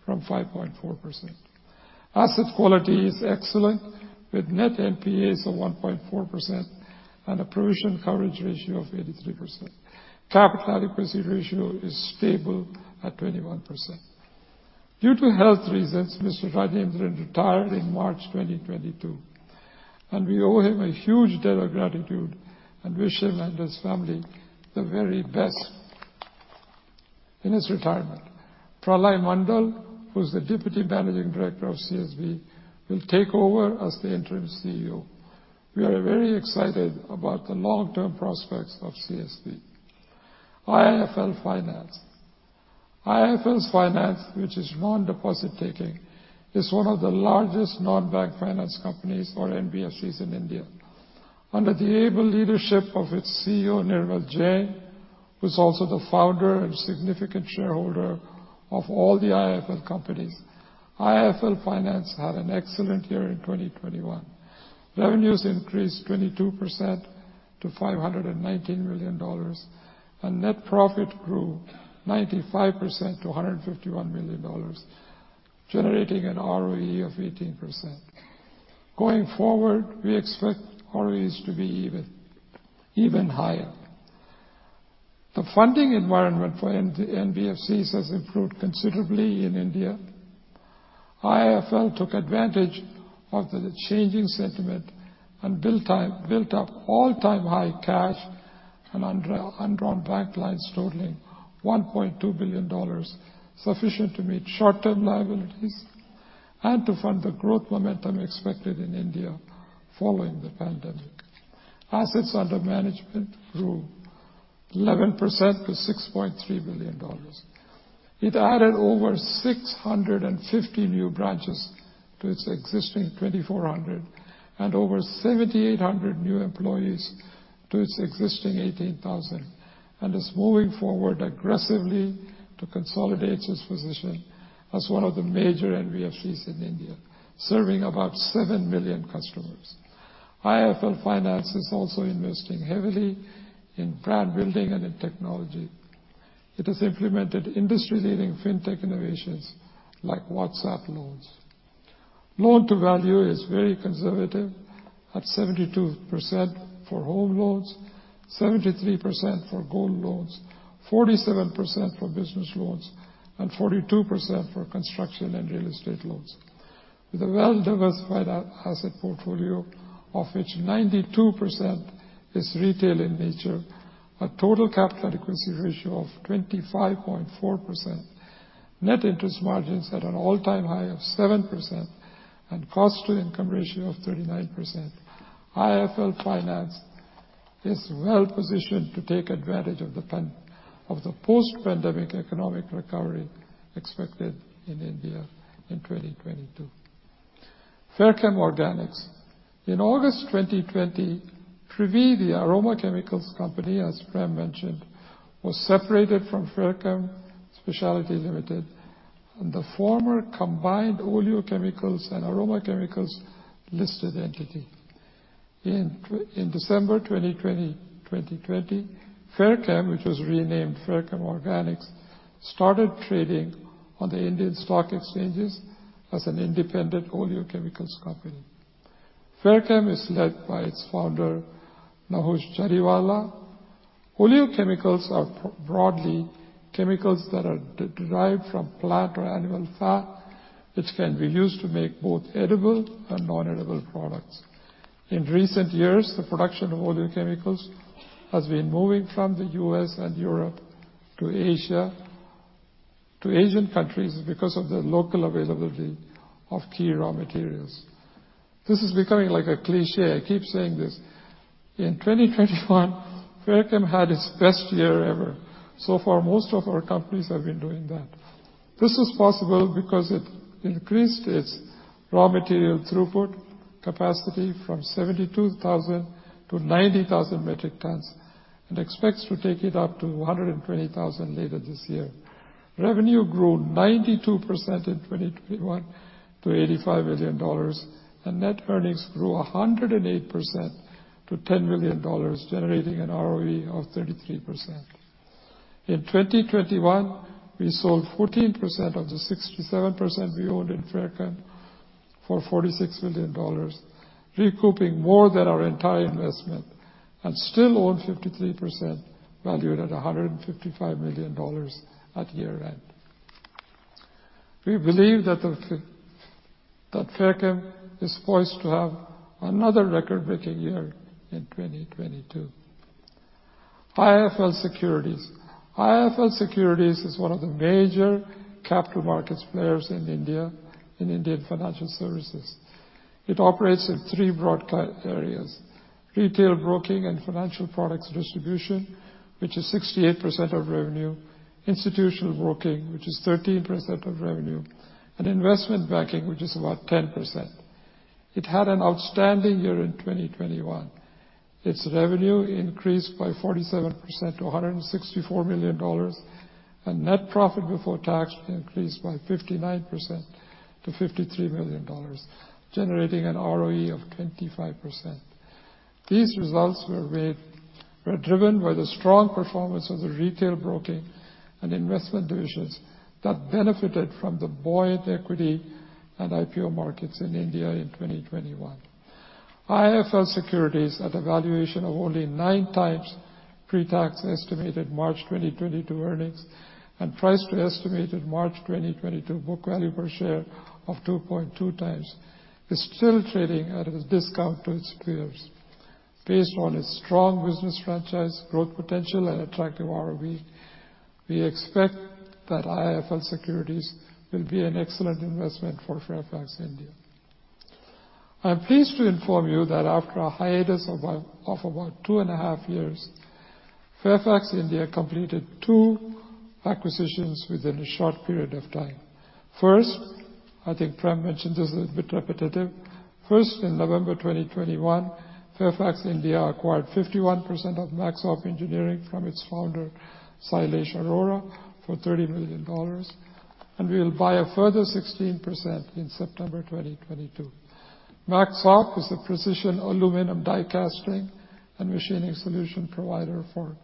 from 5.4%. Asset quality is excellent, with net NPAs of 1.4% and a provision coverage ratio of 83%. Capital adequacy ratio is stable at 21%. Due to health reasons, Mr. Rajendran retired in March 2022, and we owe him a huge debt of gratitude and wish him and his family the very best in his retirement. Pralay Mondal, who's the Deputy Managing Director of CSB, will take over as the interim CEO. We are very excited about the long-term prospects of CSB. IIFL Finance. IIFL's Finance, which is nondeposit taking, is one of the largest non-bank finance companies or NBFCs in India. Under the able leadership of its CEO, Nirmal Jain, who's also the founder and significant shareholder of all the IIFL companies, IIFL Finance had an excellent year in 2021. Revenues increased 22% to $519 million, and net profit grew 95% to $151 million, generating an ROE of 18%. Going forward, we expect ROEs to be even higher. The funding environment for NBFCs has improved considerably in India. IIFL took advantage of the changing sentiment and built up all-time high cash and undrawn bank lines totaling $1.2 billion, sufficient to meet short-term liabilities and to fund the growth momentum expected in India following the pandemic. Assets under management grew 11% to $6.3 billion. It added over 650 new branches to its existing 2,400 and over 7,800 new employees to its existing 18,000, and is moving forward aggressively to consolidate its position as one of the major NBFCs in India, serving about 7 million customers. IIFL Finance is also investing heavily in brand building and in technology. It has implemented industry-leading fintech innovations like WhatsApp loans. Loan to value is very conservative at 72% for home loans, 73% for gold loans, 47% for business loans, and 42% for construction and real estate loans. With a well-diversified asset portfolio, of which 92% is retail in nature, a total capital adequacy ratio of 25.4%, net interest margins at an all-time high of 7%, and cost to income ratio of 39%, IIFL Finance is well positioned to take advantage of the post-pandemic economic recovery expected in India in 2022. Fairchem Organics. In August 2020, Privi, the aroma chemicals company, as Prem mentioned, was separated from Fairchem Speciality Limited, the former combined oleochemicals and aroma chemicals listed entity. In December 2020, Fairchem, which was renamed Fairchem Organics, started trading on the Indian stock exchanges as an independent oleochemicals company. Fairchem is led by its founder, Nahoosh Jariwala. Oleochemicals are broadly chemicals that are derived from plant or animal fat, which can be used to make both edible and non-edible products. In recent years, the production of oleochemicals has been moving from the U.S. and Europe to Asia, to Asian countries because of the local availability of key raw materials. This is becoming like a cliché. I keep saying this. In 2021, Fairchem had its best year ever. So far, most of our companies have been doing that. This was possible because it increased its raw material throughput capacity from 72,000 to 90,000 metric tons and expects to take it up to 120,000 later this year. Revenue grew 92% in 2021 to $85 million, and net earnings grew 108% to $10 million, generating an ROE of 33%. In 2021, we sold 14% of the 67% we owned in Fairchem for $46 million, recouping more than our entire investment, and still own 53% valued at $155 million at year end. We believe that Fairchem is poised to have another record-breaking year in 2022. IIFL Securities. IIFL Securities is one of the major capital markets players in India, in Indian financial services. It operates in three broad areas, retail broking and financial products distribution, which is 68% of revenue, institutional broking, which is 13% of revenue, and investment banking, which is about 10%. It had an outstanding year in 2021. Its revenue increased by 47% to $164 million, and net profit before tax increased by 59% to $53 million, generating an ROE of 25%. These results were driven by the strong performance of the retail broking and investment divisions that benefited from the buoyant equity and IPO markets in India in 2021. IIFL Securities at a valuation of only 9x pre-tax estimated March 2022 earnings and price to estimated March 2022 book value per share of 2.2x is still trading at a discount to its peers. Based on its strong business franchise, growth potential, and attractive ROE, we expect that IIFL Securities will be an excellent investment for Fairfax India. I'm pleased to inform you that after a hiatus of about two and a half years, Fairfax India completed two acquisitions within a short period of time. First, in November 2021, Fairfax India acquired 51% of Maxop Engineering from its founder, Shailesh Arora, for $30 million, and we'll buy a further 16% in September 2022. Maxop is a precision aluminum die casting and machining solution provider for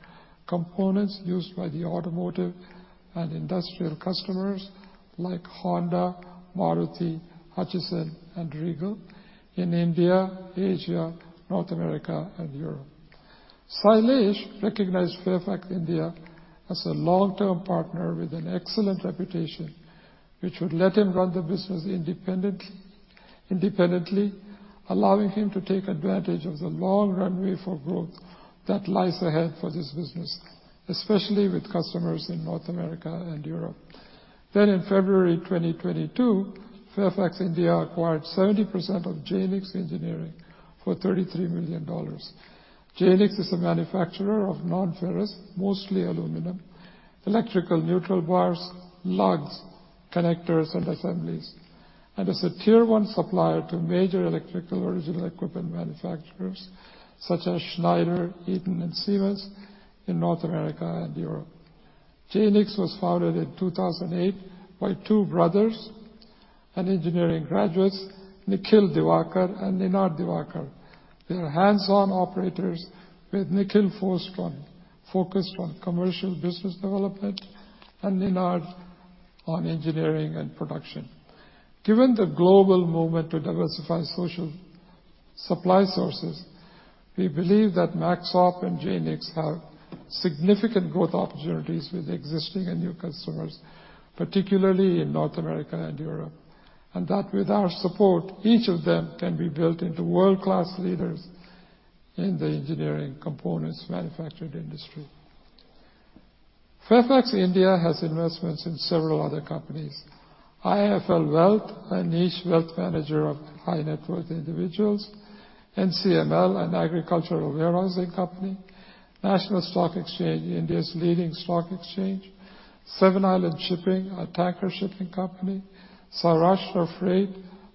components used by the automotive and industrial customers like Honda, Maruti, Hutchinson, and Regal in India, Asia, North America, and Europe. Shailesh recognized Fairfax India as a long-term partner with an excellent reputation, which would let him run the business independently, allowing him to take advantage of the long runway for growth that lies ahead for this business, especially with customers in North America and Europe. In February 2022, Fairfax India acquired 70% of Jaynix Engineering for $33 million. Jaynix is a manufacturer of non-ferrous, mostly aluminum, electrical neutral bars, lugs, connectors, and assemblies, and is a tier one supplier to major electrical original equipment manufacturers such as Schneider, Eaton, and Siemens in North America and Europe. Jaynix was founded in 2008 by two brothers and engineering graduates, Nikhil Diwakar and Ninad Diwakar. They are hands-on operators, with Nikhil focused on commercial business development and Ninad on engineering and production. Given the global movement to diversify global supply sources, we believe that Maxop and Jaynix have significant growth opportunities with existing and new customers, particularly in North America and Europe, and that with our support, each of them can be built into world-class leaders in the engineering components manufacturing industry. Fairfax India has investments in several other companies. IIFL Wealth, a niche wealth manager of high net worth individuals. NCML, an agricultural warehousing company. National Stock Exchange, India's leading stock exchange. Seven Islands Shipping, a tanker shipping company. Saurashtra Freight,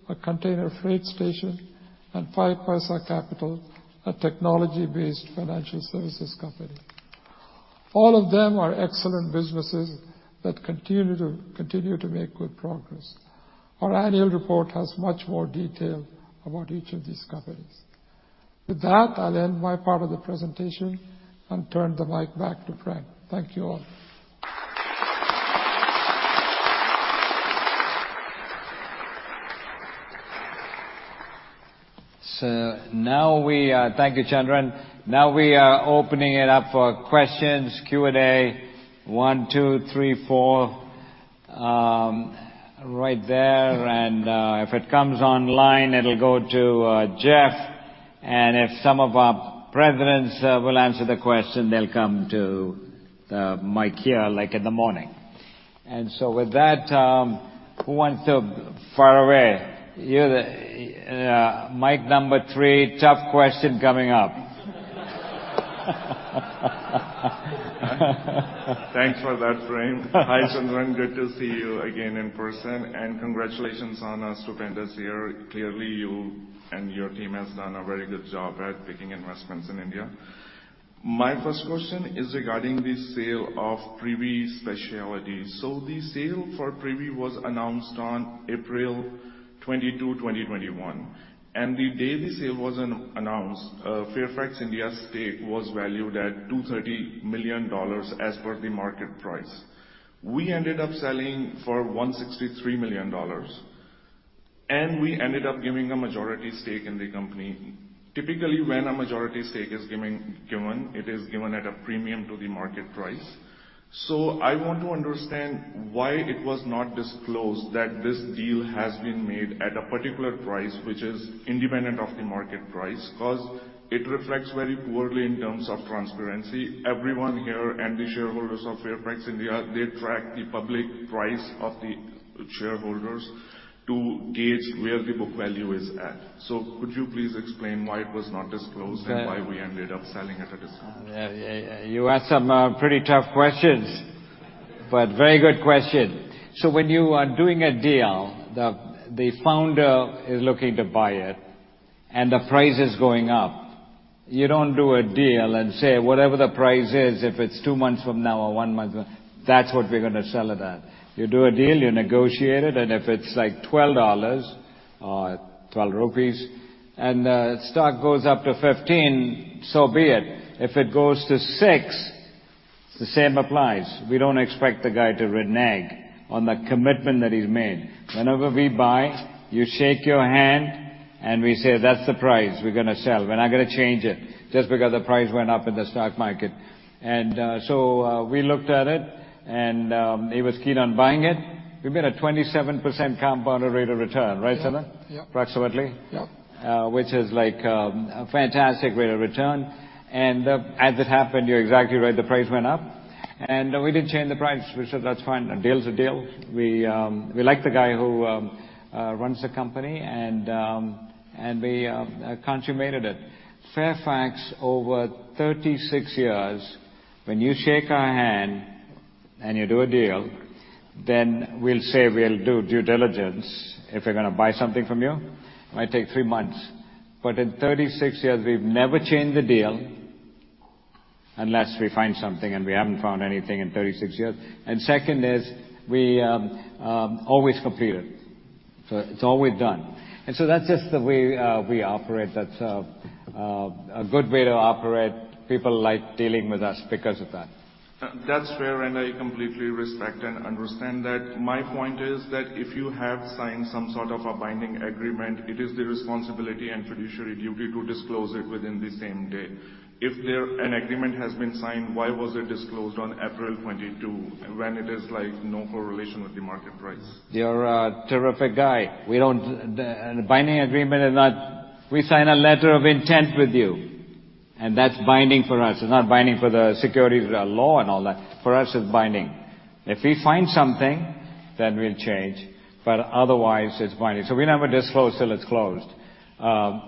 a container freight station. 5paisa Capital, a technology-based financial services company. All of them are excellent businesses that continue to make good progress. Our annual report has much more detail about each of these companies. With that, I'll end my part of the presentation and turn the mic back to Prem. Thank you all. Thank you, Chandran. Now we are opening it up for questions, Q&A. One, two, three, four, right there. If it comes online, it'll go to Jeff, and if some of our presidents will answer the question, they'll come to the mic here, like in the morning. With that, who wants to far away. You're the mic number three. Tough question coming up. Thanks for that frame. Hi, Chandran. Good to see you again in person. Congratulations on a stupendous year. Clearly, you and your team has done a very good job at picking investments in India. My first question is regarding the sale of Privi Speciality Chemicals. The sale for Privi was announced on April 22, 2021. The day the sale was announced, Fairfax India stake was valued at $230 million as per the market price. We ended up selling for $163 million, and we ended up giving a majority stake in the company. Typically, when a majority stake is given, it is given at a premium to the market price. I want to understand why it was not disclosed that this deal has been made at a particular price, which is independent of the market price, 'cause it reflects very poorly in terms of transparency. Everyone here and the shareholders of Fairfax India, they track the public price of the shares to gauge where the book value is at. Could you please explain why it was not disclosed that's why we ended up selling at a discount? Yeah. Yeah. You asked some pretty tough questions, but very good question. When you are doing a deal, the founder is looking to buy it and the price is going up. You don't do a deal and say, "Whatever the price is, if it's two months from now or one month, that's what we're gonna sell it at." You do a deal, you negotiate it, and if it's like $12 or 12 rupees and the stock goes up to $15, so be it. If it goes to $6, the same applies. We don't expect the guy to renege on the commitment that he's made. Whenever we buy, we shake hands and we say, "That's the price we're gonna sell. We're not gonna change it just because the price went up in the stock market." We looked at it and he was keen on buying it. We made a 27% compounded rate of return, right, Chandran? Yep. Approximately. Yep. which is like a fantastic rate of return. As it happened, you're exactly right, the price went up and we didn't change the price. We said, "That's fine. A deal is a deal." We like the guy who runs the company and we consummated it. Fairfax, over 36 years, when you shake our hand and you do a deal, we'll say we'll do due diligence. If we're gonna buy something from you, it might take three months. In 36 years, we've never changed the deal unless we find something, and we haven't found anything in 36 years. Second is we always complete it. It's always done. That's just the way we operate. That's a good way to operate. People like dealing with us because of that. That's fair, and I completely respect and understand that. My point is that if you have signed some sort of a binding agreement, it is the responsibility and fiduciary duty to disclose it within the same day. If an agreement has been signed, why was it disclosed on April 22 when it is like no correlation with the market price? You're a terrific guy. The binding agreement is not. We sign a letter of intent with you, and that's binding for us. It's not binding for the securities law and all that. For us, it's binding. If we find something, we'll change, but otherwise it's binding. We never disclose till it's closed.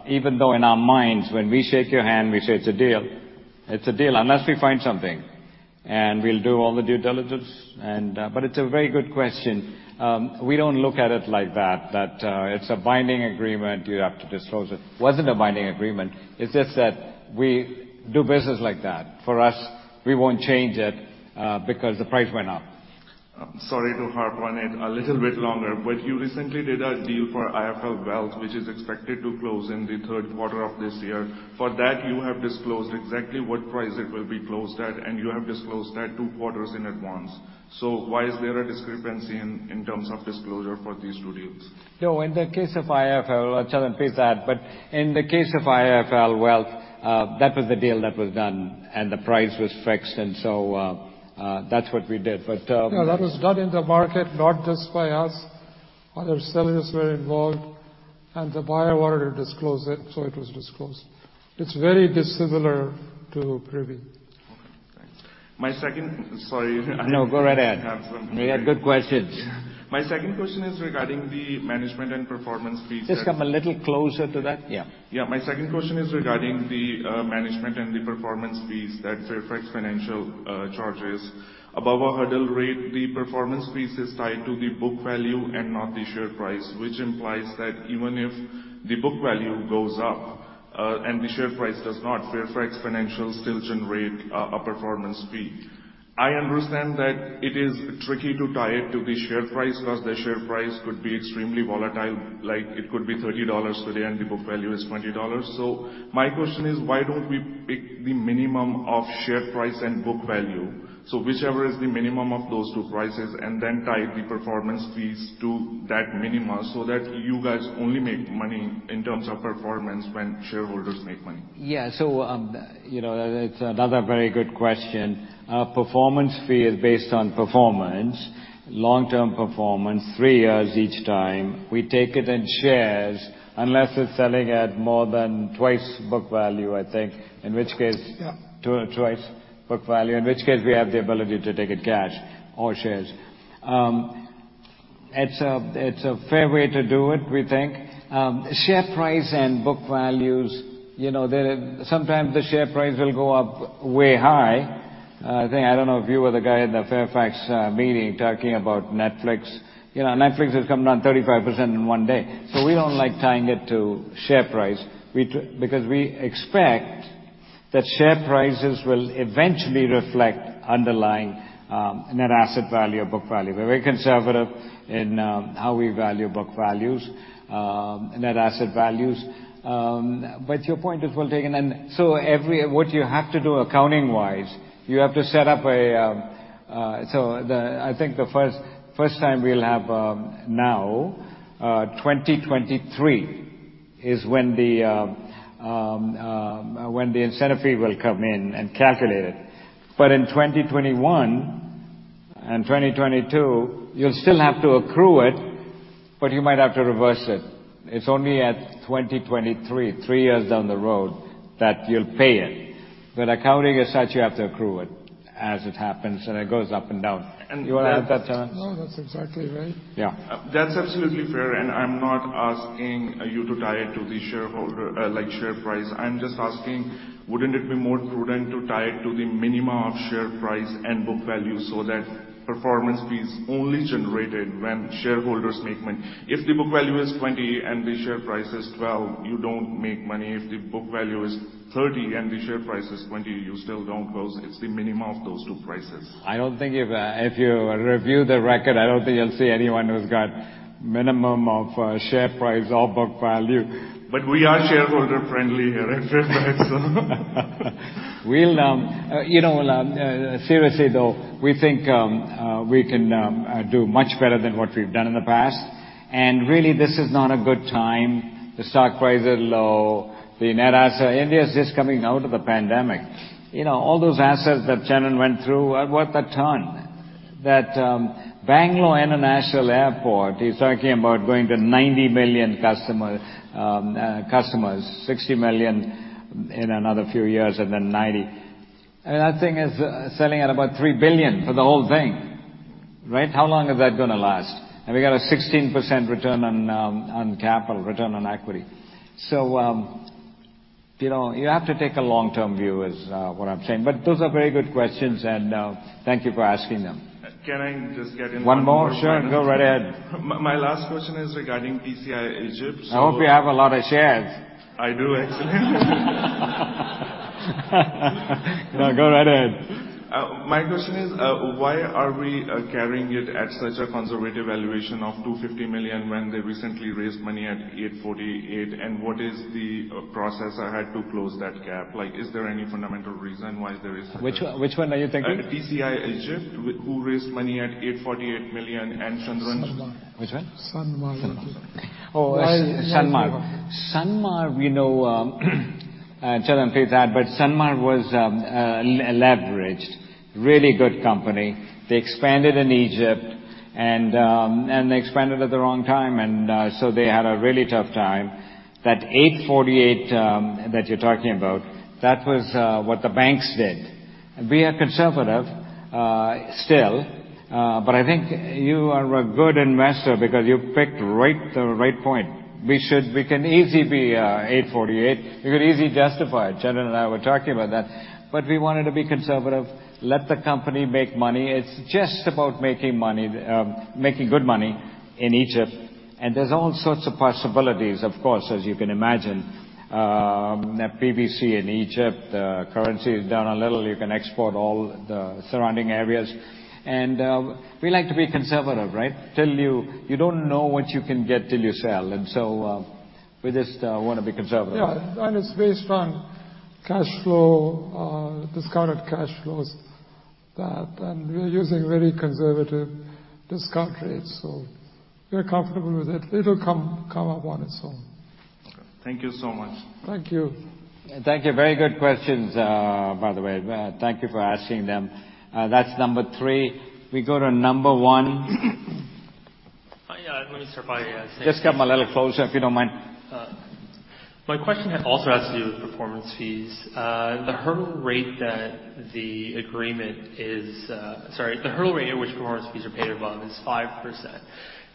Even though in our minds when we shake your hand, we say, "It's a deal." It's a deal unless we find something and we'll do all the due diligence. It's a very good question. We don't look at it like that it's a binding agreement, you have to disclose it. Wasn't a binding agreement. It's just that we do business like that. For us, we won't change it because the price went up. Sorry to harp on it a little bit longer, but you recently did a deal for IIFL Wealth, which is expected to close in the third quarter of this year. For that, you have disclosed exactly what price it will be closed at, and you have disclosed that two quarters in advance. Why is there a discrepancy in terms of disclosure for these two deals? No, in the case of IIFL. Well, Chandran please add. In the case of IIFL Wealth, that was the deal that was done and the price was fixed and so, that's what we did. No, that was done in the market, not just by us. Other sellers were involved. The buyer wanted to disclose it, so it was disclosed. It's very dissimilar to Privi. Okay, thanks. Sorry. No, go right ahead. I have some. You have good questions. My second question is regarding the management and performance fees that. Just come a little closer to that. Yeah. Yeah. My second question is regarding the management and the performance fees that Fairfax Financial charges. Above our hurdle rate, the performance fees is tied to the book value and not the share price, which implies that even if the book value goes up and the share price does not, Fairfax Financial still generate a performance fee. I understand that it is tricky to tie it to the share price because the share price could be extremely volatile. Like, it could be $30 today, and the book value is $20. My question is, why don't we pick the minimum of share price and book value, so whichever is the minimum of those two prices, and then tie the performance fees to that minimum so that you guys only make money in terms of performance when shareholders make money? Yeah. You know, that's another very good question. Our performance fee is based on performance, long-term performance, three years each time. We take it in shares, unless it's selling at more than twice book value, I think, in which case. Yeah. Twice book value, in which case we have the ability to take it cash or shares. It's a fair way to do it, we think. Share price and book values, you know, they're sometimes the share price will go up way high. I think, I don't know if you were the guy at the Fairfax meeting talking about Netflix. You know, Netflix has come down 35% in one day. We don't like tying it to share price. Because we expect that share prices will eventually reflect underlying net asset value or book value. We're very conservative in how we value book values, net asset values. Your point is well taken. What you have to do accounting-wise, you have to set up a. I think the first time we'll have, now, 2023 is when the incentive fee will come in and calculate it. In 2021 and 2022, you'll still have to accrue it, but you might have to reverse it. It's only at 2023, three years down the road, that you'll pay it. Accounting as such, you have to accrue it as it happens, and it goes up and down. You wanna add that. No, that's exactly right. Yeah. That's absolutely fair, and I'm not asking you to tie it to the shareholder share price. I'm just asking, wouldn't it be more prudent to tie it to the minimum of share price and book value so that performance fees only generated when shareholders make money? If the book value is $20 and the share price is $12, you don't make money. If the book value is $30 and the share price is $20, you still don't, 'cause it's the minimum of those two prices. I don't think if you review the record, I don't think you'll see anyone who's got minimum of share price or book value. We are shareholder friendly here at Fairfax. Well, you know, seriously though, we think we can do much better than what we've done in the past. Really, this is not a good time. The stock price is low. The net asset value in India is just coming out of the pandemic. You know, all those assets that Chandran went through are worth a ton. That Bangalore International Airport is talking about going to 90 million customers. 60 million in another few years, and then 90 million. That thing is selling at about $3 billion for the whole thing, right? How long is that gonna last? We got a 16% return on capital, return on equity. You know, you have to take a long-term view, is what I'm saying. Those are very good questions, and thank you for asking them. Can I just get in one more? One more? Sure, go right ahead. My last question is regarding TCI Sanmar. I hope you have a lot of shares. I do, actually. No, go right ahead. My question is, why are we carrying it at such a conservative valuation of $250 million when they recently raised money at $848 million? What is the process ahead to close that gap? Like, is there any fundamental reason why there is? Which one are you thinking? TCI Sanmar Chemicals, who raised money at $848 million, and Chandran- Sanmar. Which one? Sanmar. Sanmar. Oh, Sanmar. Sanmar, we know Chandran's faith that, but Sanmar was leveraged. Really good company. They expanded in Egypt, and they expanded at the wrong time. They had a really tough time. That $8.48 that you're talking about, that was what the banks did. We are conservative still, but I think you are a good investor because you picked the right point. We can easily be $8.48. We could easily justify it. Chandran and I were talking about that. We wanted to be conservative, let the company make money. It's just about making money, making good money in Egypt. There's all sorts of possibilities, of course, as you can imagine. Net PVC in Egypt, currency is down a little. You can export all the surrounding areas. We like to be conservative, right? You don't know what you can get till you sell. We just wanna be conservative. Yeah. It's based on cash flow, discounted cash flows that we're using very conservative discount rates. We're comfortable with it. It'll come up on its own. Thank you so much. Thank you. Thank you. Very good questions, by the way. Thank you for asking them. That's number three. We go to number one. Yeah. Let me start by, Just come a little closer, if you don't mind. My question also has to do with performance fees. The hurdle rate at which performance fees are paid above is 5%,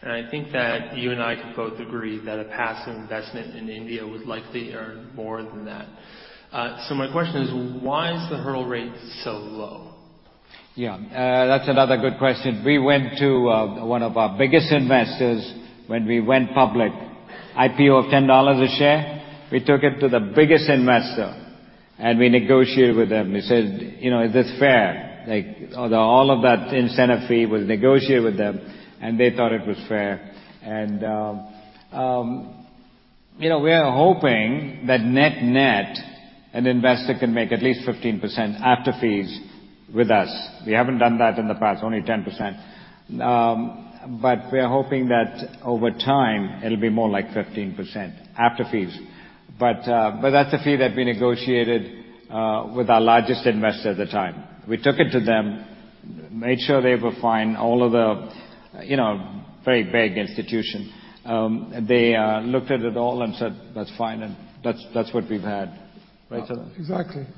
and I think that you and I can both agree that a passive investment in India would likely earn more than that. My question is, why is the hurdle rate so low? Yeah. That's another good question. We went to one of our biggest investors when we went public. IPO of $10 a share, we took it to the biggest investor, and we negotiated with them. We said, "You know, is this fair?" Like, all of that incentive fee was negotiated with them, and they thought it was fair. We are hoping that net-net, an investor can make at least 15% after fees with us. We haven't done that in the past, only 10%. But we're hoping that over time it'll be more like 15% after fees. But that's a fee that we negotiated with our largest investor at the time. We took it to them, made sure they were fine, all of the, you know, very big institution. They looked at it all and said, "That's fine," and that's what we've had. Right, sir? Exactly. Yeah. Thank you.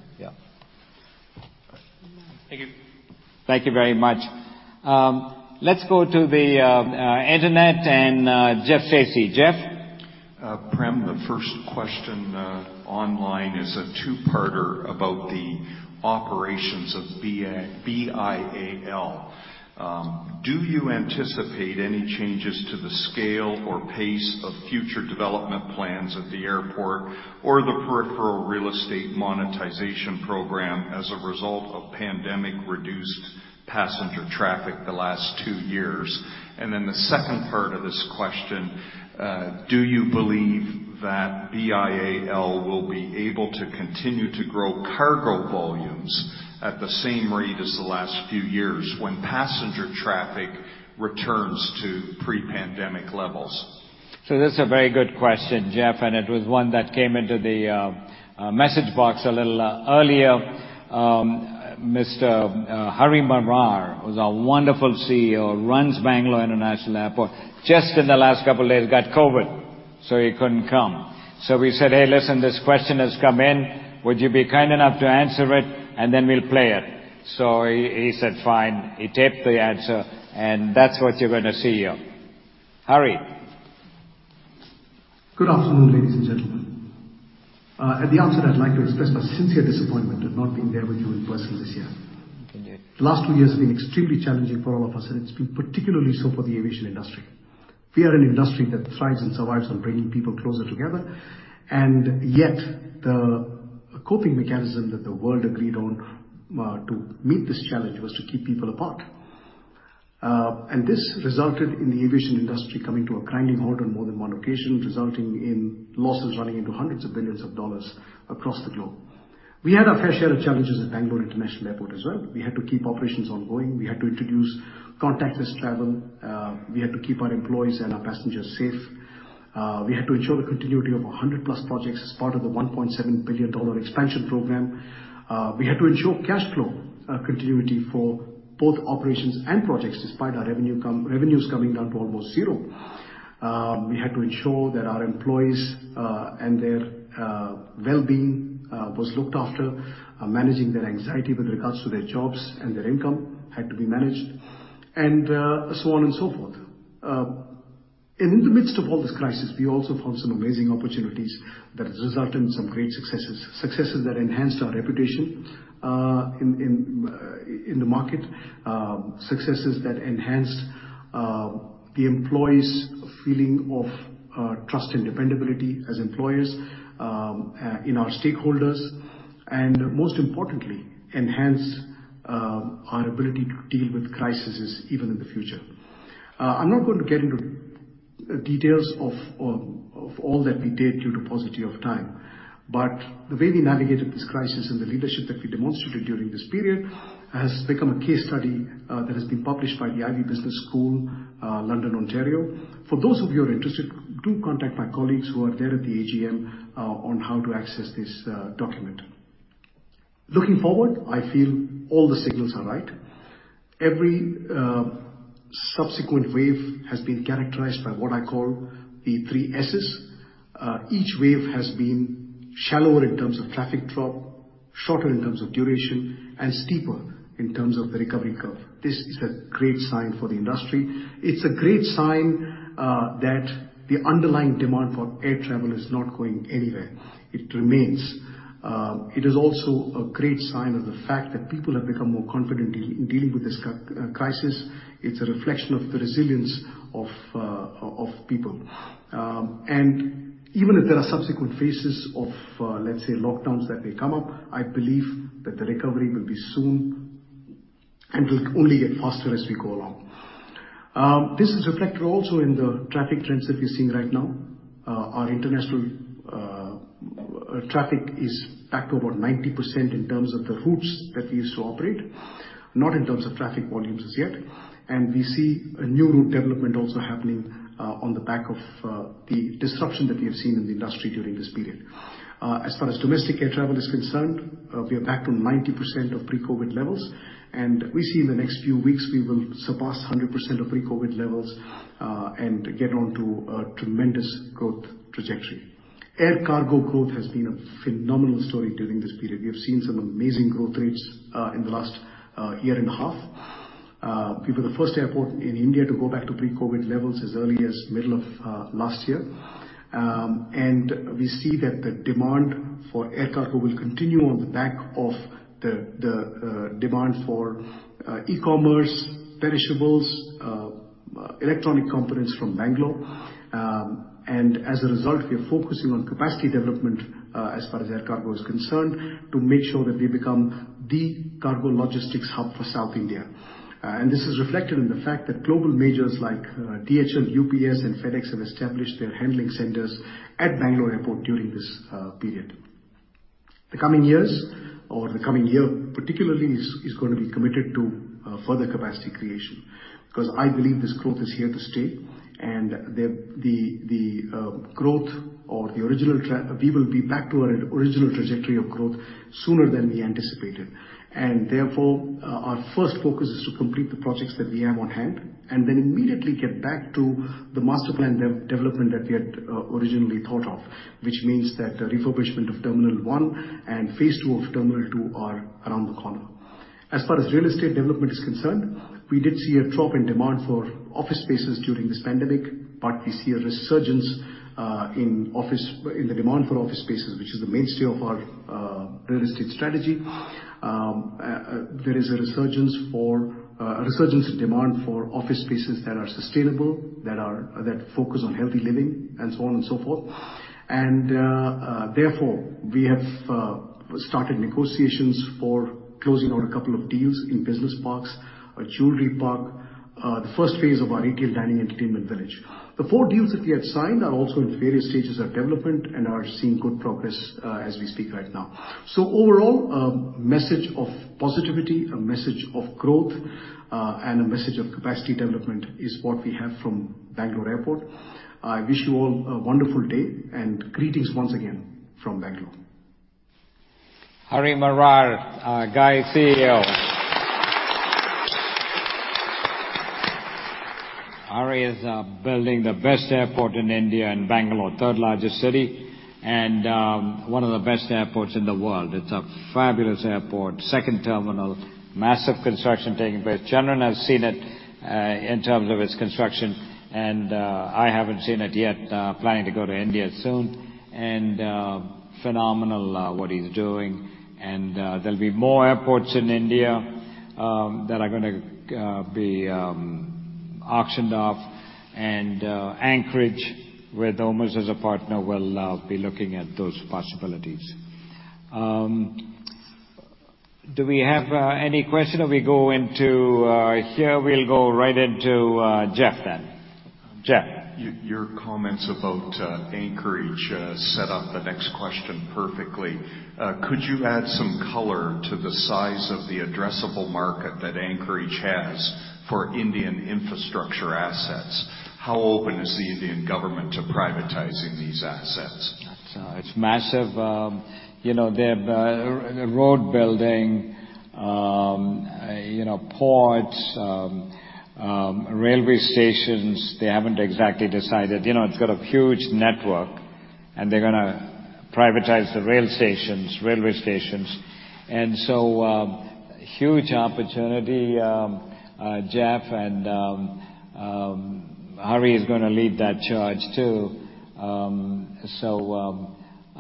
Thank you very much. Let's go to the internet and Jeff Stacey. Jeff? Prem, the first question online is a two-parter about the operations of BIAL. Do you anticipate any changes to the scale or pace of future development plans at the airport or the peripheral real estate monetization program as a result of pandemic-reduced passenger traffic the last two years? The second part of this question, do you believe that BIAL will be able to continue to grow cargo volumes at the same rate as the last few years when passenger traffic returns to pre-pandemic levels? This is a very good question, Jeff, and it was one that came into the message box a little earlier. Mr. Hari Marar, who's our wonderful CEO, runs Bangalore International Airport, just in the last couple of days got COVID, so he couldn't come. We said, "Hey, listen, this question has come in. Would you be kind enough to answer it, and then we'll play it?" He said, "Fine." He taped the answer, and that's what you're gonna see here. Hari? Good afternoon, ladies and gentlemen. At the outset, I'd like to express my sincere disappointment at not being there with you in person this year. Indeed. The last two years have been extremely challenging for all of us, and it's been particularly so for the aviation industry. We are an industry that thrives and survives on bringing people closer together, and yet the coping mechanism that the world agreed on, to meet this challenge was to keep people apart. This resulted in the aviation industry coming to a grinding halt on more than one occasion, resulting in losses running into hundreds of billions of dollars across the globe. We had our fair share of challenges at Bangalore International Airport as well. We had to keep operations ongoing. We had to introduce contactless travel. We had to keep our employees and our passengers safe. We had to ensure the continuity of 100+ projects as part of the $1.7 billion expansion program. We had to ensure cash flow continuity for both operations and projects despite our revenues coming down to almost zero. We had to ensure that our employees and their well-being was looked after. Managing their anxiety with regards to their jobs and their income had to be managed, and so on and so forth. In the midst of all this crisis, we also found some amazing opportunities that have resulted in some great successes. Successes that enhanced our reputation in the market. Successes that enhanced the employees' feeling of trust and dependability as employers in our stakeholders, and most importantly, enhanced our ability to deal with crises even in the future. I'm not going to get into details of all that we did due to paucity of time. The way we navigated this crisis and the leadership that we demonstrated during this period has become a case study that has been published by the Ivey Business School, London, Ontario. For those of you who are interested, do contact my colleagues who are there at the AGM on how to access this document. Looking forward, I feel all the signals are right. Every subsequent wave has been characterized by what I call the three S's. Each wave has been shallower in terms of traffic drop, shorter in terms of duration, and steeper in terms of the recovery curve. This is a great sign for the industry. It's a great sign that the underlying demand for air travel is not going anywhere. It remains. It is also a great sign of the fact that people have become more confident in dealing with this crisis. It's a reflection of the resilience of people. Even if there are subsequent phases of, let's say, lockdowns that may come up, I believe that the recovery will be soon and will only get faster as we go along. This is reflected also in the traffic trends that we're seeing right now. Our international traffic is back to about 90% in terms of the routes that we used to operate, not in terms of traffic volumes as yet. We see a new route development also happening on the back of the disruption that we have seen in the industry during this period. As far as domestic air travel is concerned, we are back to 90% of pre-COVID levels, and we see in the next few weeks we will surpass 100% of pre-COVID levels, and get onto a tremendous growth trajectory. Air cargo growth has been a phenomenal story during this period. We have seen some amazing growth rates in the last year and a half. We were the first airport in India to go back to pre-COVID levels as early as middle of last year. We see that the demand for air cargo will continue on the back of the demand for e-commerce, perishables, electronic components from Bangalore. As a result, we are focusing on capacity development, as far as air cargo is concerned, to make sure that we become the cargo logistics hub for South India. This is reflected in the fact that global majors like DHL, UPS and FedEx have established their handling centers at Bangalore Airport during this period. The coming years or the coming year particularly is gonna be committed to further capacity creation, because I believe this growth is here to stay. We will be back to our original trajectory of growth sooner than we anticipated. Therefore, our first focus is to complete the projects that we have on hand and then immediately get back to the master plan development that we had originally thought of. Which means that the refurbishment of terminal one and phase two of terminal two are around the corner. As far as real estate development is concerned, we did see a drop in demand for office spaces during this pandemic, but we see a resurgence in the demand for office spaces, which is the mainstay of our real estate strategy. There is a resurgence in demand for office spaces that are sustainable, that focus on healthy living and so on and so forth. Therefore, we have started negotiations for closing on a couple of deals in business parks, a jewelry park, the first phase of our retail dining entertainment village. The four deals that we have signed are also in various stages of development and are seeing good progress, as we speak right now. Overall, a message of positivity, a message of growth, and a message of capacity development is what we have from Bangalore Airport. I wish you all a wonderful day and greetings once again from Bangalore. Hari Marar, our guy CEO. Hari is building the best airport in India, in Bangalore, third largest city, and one of the best airports in the world. It's a fabulous airport. Second terminal, massive construction taking place. Chandran has seen it in terms of its construction, and I haven't seen it yet. Planning to go to India soon. Phenomenal what he's doing. There'll be more airports in India that are gonna be auctioned off and Anchorage, with OMERS as a partner, will be looking at those possibilities. Do we have any question or we'll go right into Jeff then. Jeff? Your comments about Anchorage set up the next question perfectly. Could you add some color to the size of the addressable market that Anchorage has for Indian infrastructure assets? How open is the Indian government to privatizing these assets? It's massive. You know, they're road building, you know, ports, railway stations. They haven't exactly decided. You know, it's got a huge network and they're gonna privatize the rail stations, railway stations. Huge opportunity, Jeff, and Hari is gonna lead that charge too. I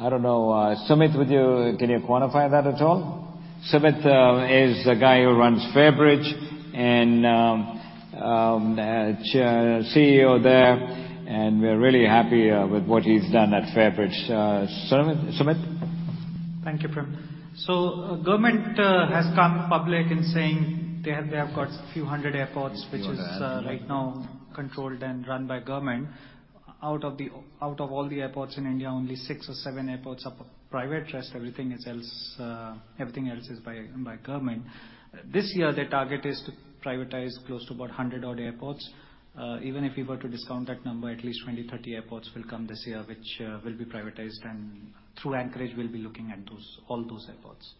don't know, Sumit, can you quantify that at all? Sumit is the guy who runs Fairbridge and CEO there, and we're really happy with what he's done at Fairbridge. Sumit? Thank you, Prem. Government has come public in saying they have got a few hundred airports which is right now controlled and run by government. Out of all the airports in India, only six or seven airports are private. The rest, everything else, is by government. This year, their target is to privatize close to about 100-odd airports. Even if you were to discount that number, at least 20, 30 airports will come this year, which will be privatized and through Anchorage, we'll be looking at all those airports.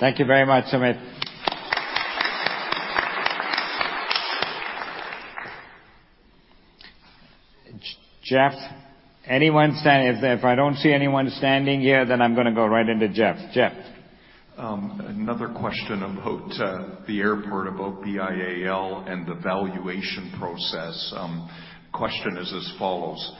Thank you very much, Sumit. Jeff. Anyone? If I don't see anyone standing here, then I'm gonna go right into Jeff. Jeff. Another question about the airport, about BIAL and the valuation process. Question is as follows: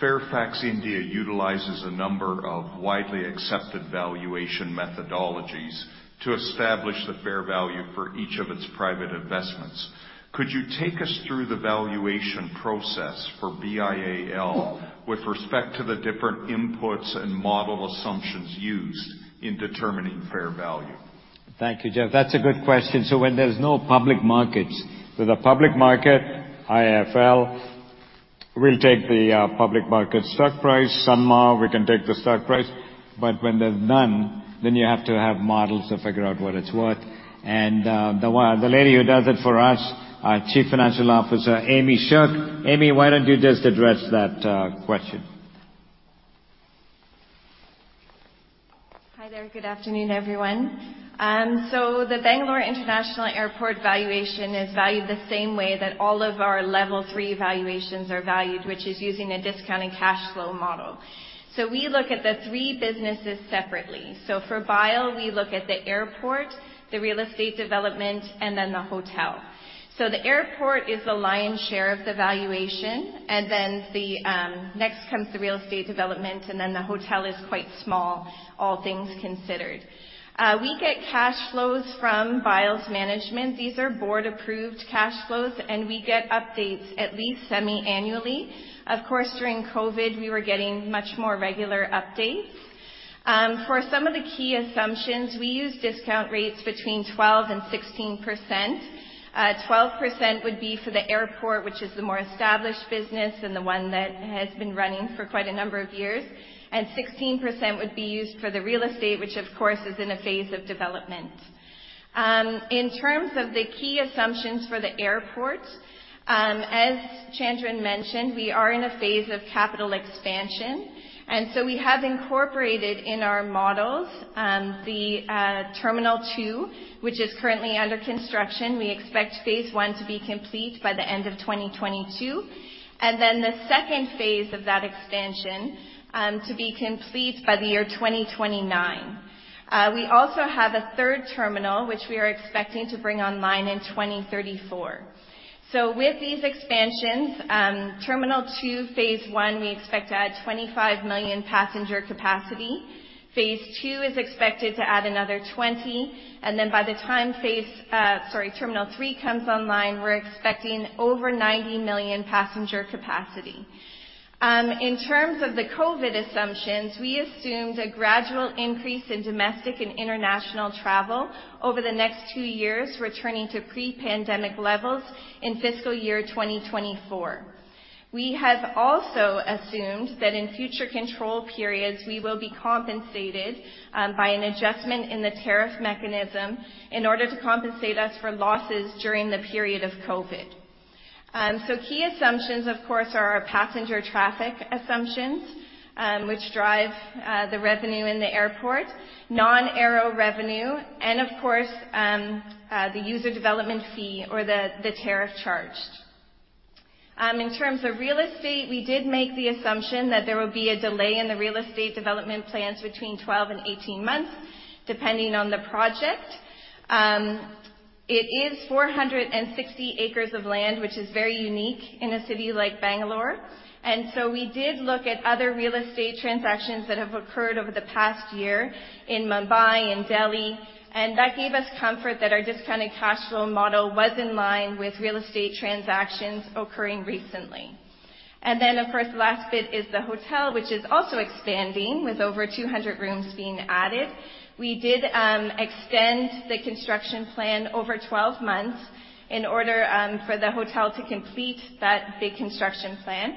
Fairfax India utilizes a number of widely accepted valuation methodologies to establish the fair value for each of its private investments. Could you take us through the valuation process for BIAL with respect to the different inputs and model assumptions used in determining fair value? Thank you, Jeff. That's a good question. When there's no public markets. With a public market, IIFL, we'll take the public market stock price. Sanmar, we can take the stock price. But when there's none, then you have to have models to figure out what it's worth. The lady who does it for us, our Chief Financial Officer, Amy Sherk. Amy, why don't you just address that question? Hi there. Good afternoon, everyone. The Bangalore International Airport valuation is valued the same way that all of our level three valuations are valued, which is using a discounted cash flow model. We look at the three businesses separately. For BIAL, we look at the airport, the real estate development, and then the hotel. The airport is the lion's share of the valuation, and then the next comes the real estate development, and then the hotel is quite small, all things considered. We get cash flows from BIAL's management. These are board-approved cash flows, and we get updates at least semi-annually. Of course, during COVID, we were getting much more regular updates. For some of the key assumptions, we use discount rates between 12%-16%. 12% would be for the airport, which is the more established business and the one that has been running for quite a number of years. 16% would be used for the real estate, which of course is in a phase of development. In terms of the key assumptions for the airport, as Chandran mentioned, we are in a phase of capital expansion, and we have incorporated in our models the Terminal 2, which is currently under construction. We expect phase one to be complete by the end of 2022, and then the second phase of that expansion to be complete by the year 2029. We also have a third terminal, which we are expecting to bring online in 2034. With these expansions, Terminal 2, phase one, we expect to add 25 million passenger capacity. Phase two is expected to add another 20, and then by the time Terminal 3 comes online, we're expecting over 90 million passenger capacity. In terms of the COVID assumptions, we assumed a gradual increase in domestic and international travel over the next two years, returning to pre-pandemic levels in fiscal year 2024. We have also assumed that in future control periods, we will be compensated by an adjustment in the tariff mechanism in order to compensate us for losses during the period of COVID. Key assumptions, of course, are our passenger traffic assumptions, which drive the revenue in the airport, non-aero revenue and of course, the user development fee or the tariff charged. In terms of real estate, we did make the assumption that there will be a delay in the real estate development plans between 12 and 18 months, depending on the project. It is 460 acres of land, which is very unique in a city like Bangalore. We did look at other real estate transactions that have occurred over the past year in Mumbai and Delhi, and that gave us comfort that our discounted cash flow model was in line with real estate transactions occurring recently. Of course, the last bit is the hotel, which is also expanding with over 200 rooms being added. We did extend the construction plan over 12 months in order for the hotel to complete that big construction plan.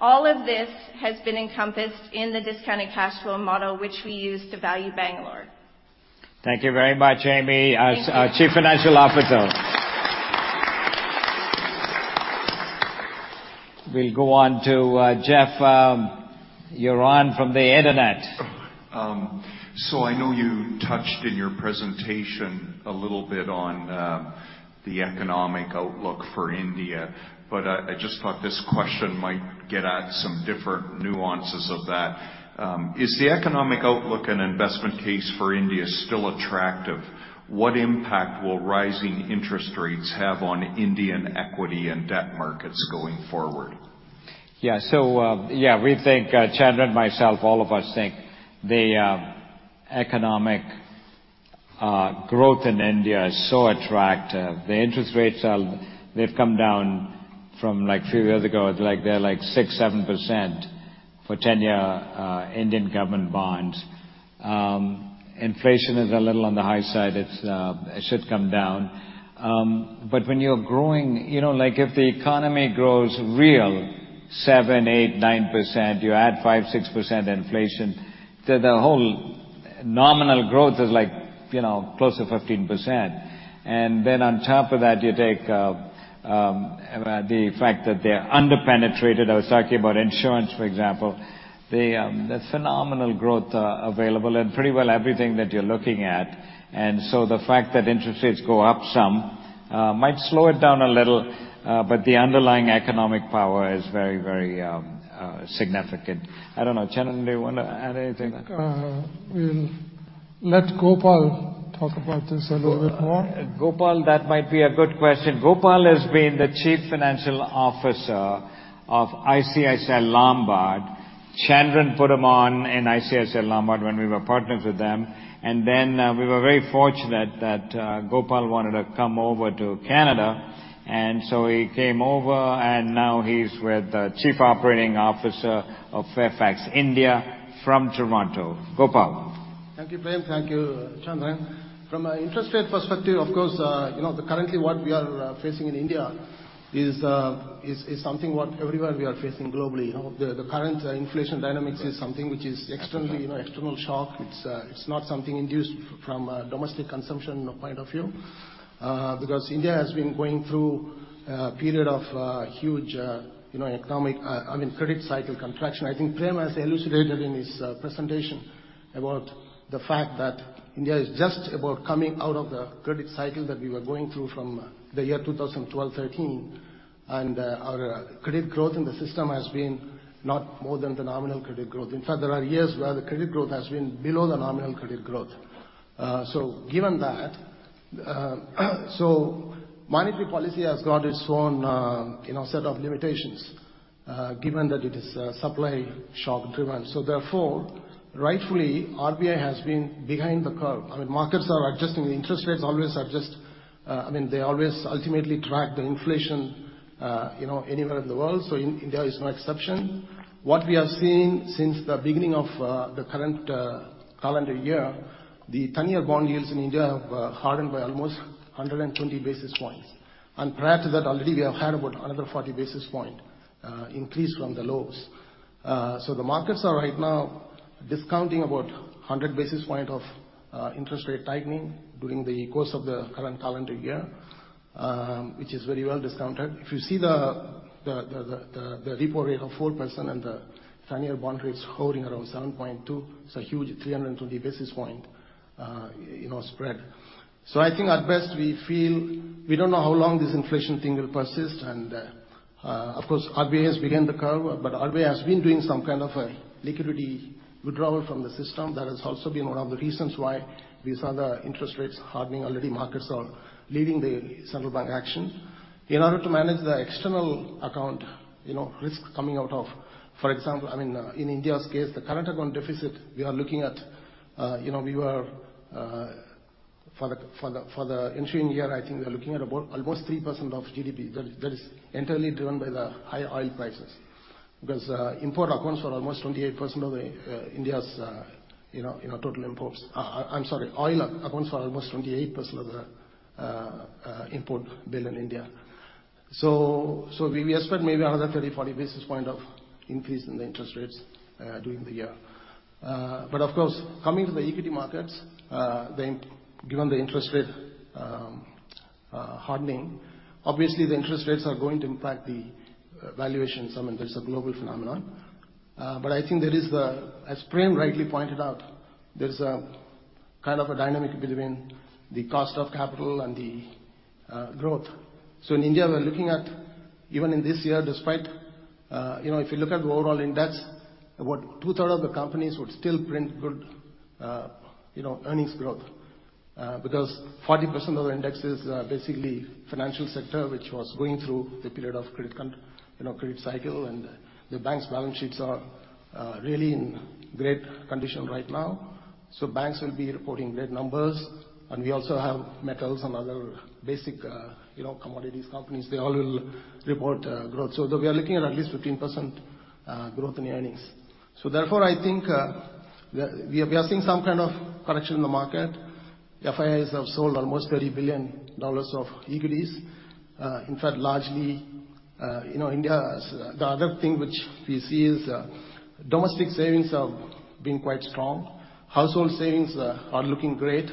All of this has been encompassed in the discounted cash flow model, which we use to value Bangalore. Thank you very much, Amy. Thank you. Chief Financial Officer. We'll go on to Jeff. You're on from the internet. I know you touched in your presentation a little bit on the economic outlook for India, but I just thought this question might get at some different nuances of that. Is the economic outlook and investment case for India still attractive? What impact will rising interest rates have on Indian equity and debt markets going forward? Yeah. So, yeah, we think, Chandran and myself, all of us think the economic growth in India is so attractive. The interest rates are. They've come down from, like, a few years ago. It's like they're, like, 6%-7% for 10-year Indian government bonds. Inflation is a little on the high side. It should come down. But when you're growing. You know, like, if the economy grows real 7%-9%, you add 5%-6% inflation, the whole nominal growth is, like, you know, close to 15%. Then on top of that, you take the fact that they are under-penetrated. I was talking about insurance, for example. The phenomenal growth available in pretty well everything that you're looking at. The fact that interest rates go up some might slow it down a little, but the underlying economic power is very, very significant. I don't know. Chandran, do you wanna add anything? We'll let Gopal talk about this a little bit more. Gopal, that might be a good question. Gopal has been the Chief Financial Officer of ICICI Lombard. Chandran put him on in ICICI Lombard when we were partners with them. We were very fortunate that Gopal wanted to come over to Canada. He came over, and now he's the Chief Operating Officer of Fairfax India from Toronto. Gopal. Thank you, Prem. Thank you, Chandran. From an interest rate perspective, of course, you know, the current what we are facing in India is something that everywhere we are facing globally. You know, the current inflation dynamics is something which is externally, you know, external shock. It's not something induced from a domestic consumption point of view, because India has been going through a period of huge, you know, economic, I mean, credit cycle contraction. I think Prem has elucidated in his presentation about the fact that India is just about coming out of the credit cycle that we were going through from the year 2012, 2013. Our credit growth in the system has been not more than the nominal credit growth. In fact, there are years where the credit growth has been below the nominal credit growth. Given that, monetary policy has got its own, you know, set of limitations, given that it is supply shock driven. Therefore, rightfully, RBI has been behind the curve. I mean, markets are adjusting, the interest rates always adjust. I mean, they always ultimately track the inflation, you know, anywhere in the world, so India is no exception. What we have seen since the beginning of the current calendar year, the 10-year bond yields in India have hardened by almost 120 basis points. Prior to that, already we have had about another 40 basis points increase from the lows. The markets are right now discounting about 100 basis points of interest rate tightening during the course of the current calendar year, which is very well discounted. If you see the repo rate of 4% and the 10-year bond rates holding around 7.2, it's a huge 320 basis points, you know, spread. I think at best we feel we don't know how long this inflation thing will persist. Of course, RBI has behind the curve, but RBI has been doing some kind of a liquidity withdrawal from the system. That has also been one of the reasons why we saw the interest rates hardening. Already markets are leading the central bank action. In order to manage the external account, you know, risks coming out of. For example, I mean, in India's case, the current account deficit, we are looking at, you know, we were, for the ensuing year, I think we are looking at about almost 3% of GDP. That is entirely driven by the high oil prices, because import accounts for almost 28% of the India's total imports. I'm sorry, oil accounts for almost 28% of the import bill in India. We expect maybe another 30-40 basis points of increase in the interest rates during the year. Of course, coming to the equity markets, given the interest rate hardening, obviously the interest rates are going to impact the valuation. I mean, there's a global phenomenon. I think there is the As Prem rightly pointed out, there's a kind of a dynamic between the cost of capital and the growth. In India, we're looking at even in this year, despite, you know, if you look at the overall index, about two-thirds of the companies would still print good, you know, earnings growth. Because 40% of the index is basically financial sector, which was going through the period of credit cycle. The banks' balance sheets are really in great condition right now. Banks will be reporting great numbers. We also have metals and other basic, you know, commodities companies, they all will report growth. We are looking at least 15% growth in earnings. Therefore, I think, we are seeing some kind of correction in the market. FIIs have sold almost $30 billion of equities. In fact, largely, you know, in India, the other thing which we see is domestic savings have been quite strong. Household savings are looking great.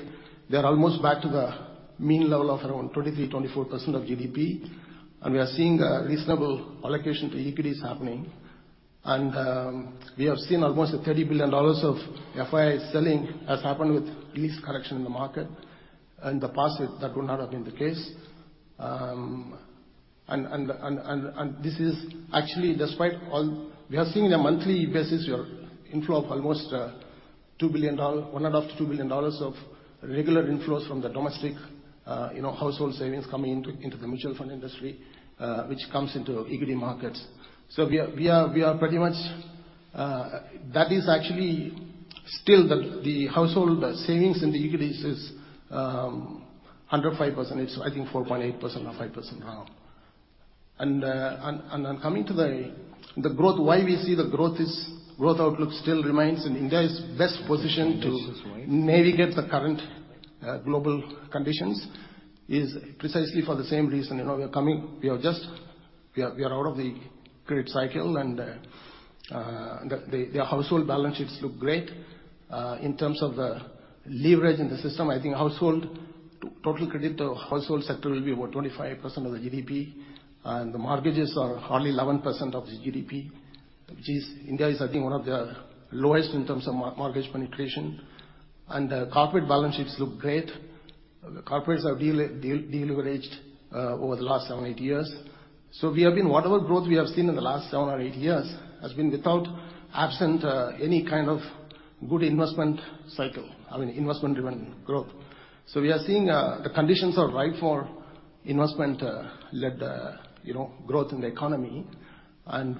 They're almost back to the mean level of around 23%-24% of GDP. We are seeing a reasonable allocation to equities happening. We have seen almost $30 billion of FII selling has happened with least correction in the market. In the past, that would not have been the case. This is actually despite all. We are seeing on a monthly basis SIP inflow of almost $2 billion, $1.5 billion-$2 billion of regular inflows from the domestic, you know, household savings coming into the mutual fund industry, which comes into equity markets. We are pretty much, that is actually still the household savings in the equities is under 5%. It's I think 4.8% or 5% now. Coming to the growth, why we see the growth outlook still remains, and India is best positioned to navigate the current global conditions is precisely for the same reason. You know, we are just out of the credit cycle and the household balance sheets look great. In terms of the leverage in the system, I think household total credit to household sector will be about 25% of the GDP, and the mortgages are hardly 11% of the GDP, which is India is I think one of the lowest in terms of mortgage penetration. Corporate balance sheets look great. The corporates have deleveraged over the last seven or eight years. Whatever growth we have seen in the last seven or eight years has been absent any kind of good investment cycle. I mean, investment-driven growth. We are seeing the conditions are right for investment-led, you know, growth in the economy.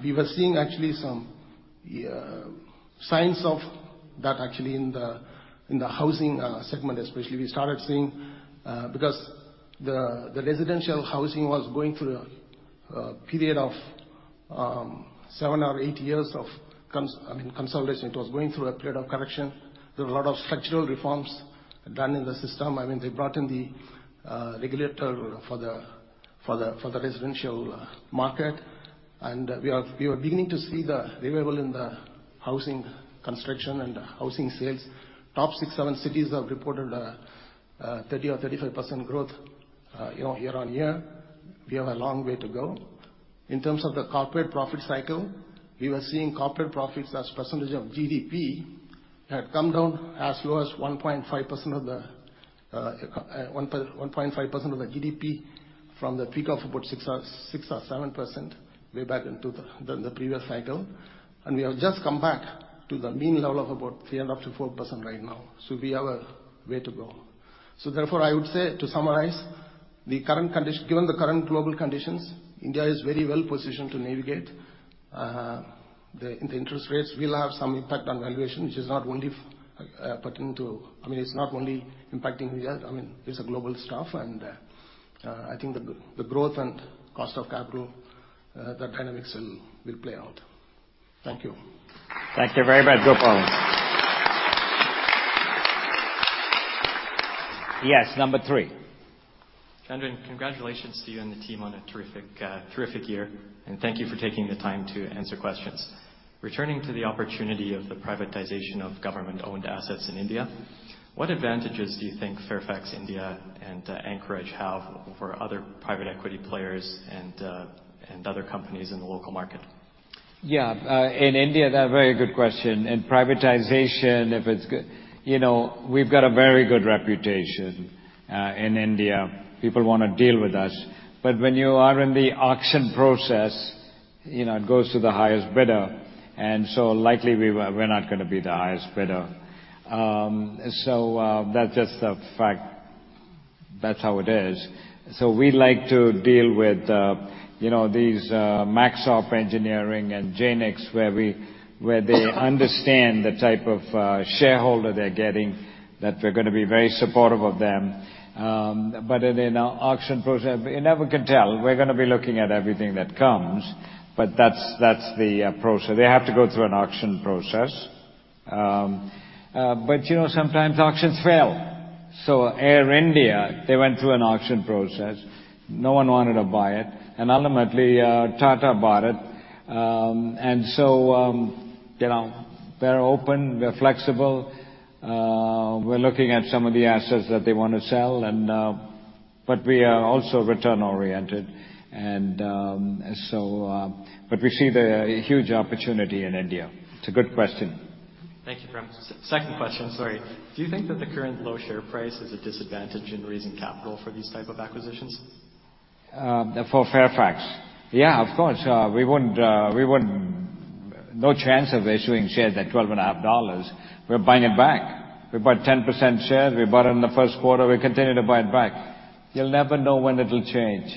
We were seeing actually some signs of that actually in the housing segment especially. We started seeing because the residential housing was going through a period of seven or eight years of, I mean, consolidation. It was going through a period of correction. There were a lot of structural reforms done in the system. I mean, they brought in the regulator for the residential market. We are beginning to see the revival in the housing construction and housing sales. Top six or seven cities have reported 30% or 35% growth year-on-year. We have a long way to go. In terms of the corporate profit cycle, we were seeing corporate profits as percentage of GDP had come down as low as 1.5% of the GDP from the peak of about 6%-7% way back in the previous cycle. We have just come back to the mean level of about 3%-4% right now. We have a way to go. Therefore, I would say, to summarize, the current condition, given the current global conditions, India is very well positioned to navigate. The interest rates will have some impact on valuation, which is not only pertaining to. I mean, it's not only impacting India. I mean, it's a global stuff. I think the growth and cost of capital, the dynamics will play out. Thank you. Thank you very much, Gopal. Yes, number three. Chandran, congratulations to you and the team on a terrific year, and thank you for taking the time to answer questions. Returning to the opportunity of the privatization of government-owned assets in India, what advantages do you think Fairfax India and Anchorage have over other private equity players and other companies in the local market? Yeah. In India, a very good question. In privatization, if it's you know, we've got a very good reputation in India. People wanna deal with us. But when you are in the auction process, you know, it goes to the highest bidder. And so likely we're not gonna be the highest bidder. So that's just a fact. That's how it is. So we like to deal with you know, these Maxop Engineering and Jaynix, where they understand the type of shareholder they're getting, that we're gonna be very supportive of them. But in an auction process, you never can tell. We're gonna be looking at everything that comes, but that's the process. They have to go through an auction process. But you know, sometimes auctions fail. Air India, they went through an auction process. No one wanted to buy it, and ultimately, Tata bought it. You know, we're open, we're flexible. We're looking at some of the assets that they wanna sell, but we are also return-oriented. We see a huge opportunity in India. It's a good question. Thank you, Prem. Second question, sorry. Do you think that the current low share price is a disadvantage in raising capital for these type of acquisitions? For Fairfax? Yeah, of course. We wouldn't. No chance of issuing shares at $12.5. We're buying it back. We bought 10% shares. We bought it in the first quarter. We continue to buy it back. You'll never know when it'll change.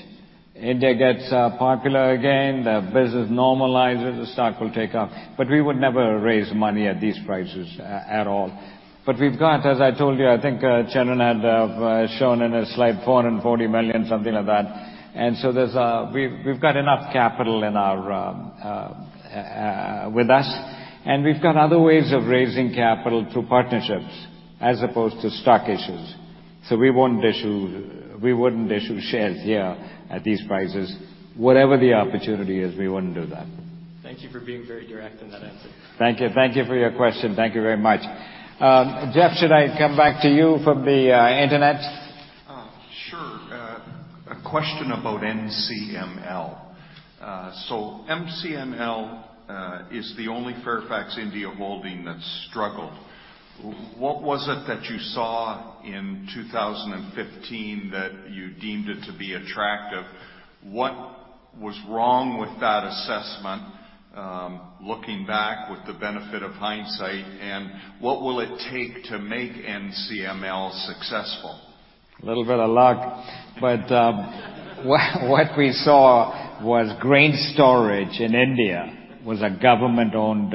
India gets popular again, the business normalizes, the stock will take off. We would never raise money at these prices at all. We've got, as I told you, I think, Chandran had shown in a slide $400 million, something like that. There's we've got enough capital in our with us, and we've got other ways of raising capital through partnerships as opposed to stock issues. We won't issue, we wouldn't issue shares here at these prices. Whatever the opportunity is, we wouldn't do that. Thank you for being very direct in that answer. Thank you. Thank you for your question. Thank you very much. Jeff, should I come back to you from the internet? Sure. A question about NCML. NCML is the only Fairfax India holding that's struggled. What was it that you saw in 2015 that you deemed it to be attractive? What was wrong with that assessment, looking back with the benefit of hindsight, and what will it take to make NCML successful? A little bit of luck. What we saw was grain storage in India was a government-owned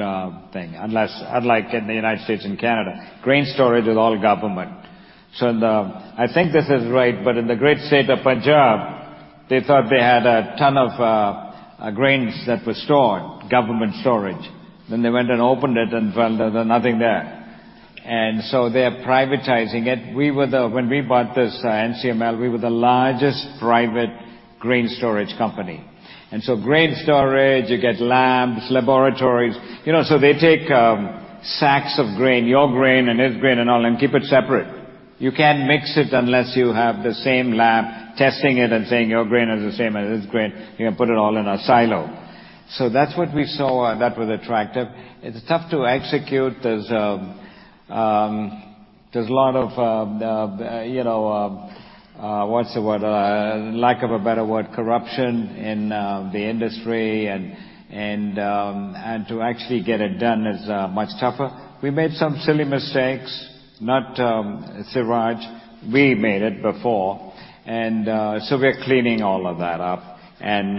thing. Unlike in the United States and Canada, grain storage is all government. I think this is right, but in the great state of Punjab, they thought they had a ton of grains that were stored, government storage. They went and opened it and found there's nothing there. They're privatizing it. When we bought this NCML, we were the largest private grain storage company. Grain storage, you get laboratories. You know, they take sacks of grain, your grain and his grain and all, and keep it separate. You can't mix it unless you have the same lab testing it and saying, "Your grain is the same as his grain. You can put it all in a silo. That's what we saw that was attractive. It's tough to execute. There's a lot of, you know, what's the word? Lack of a better word, corruption in the industry and, and to actually get it done is much tougher. We made some silly mistakes. Not Siraj. We made it before. We're cleaning all of that up. You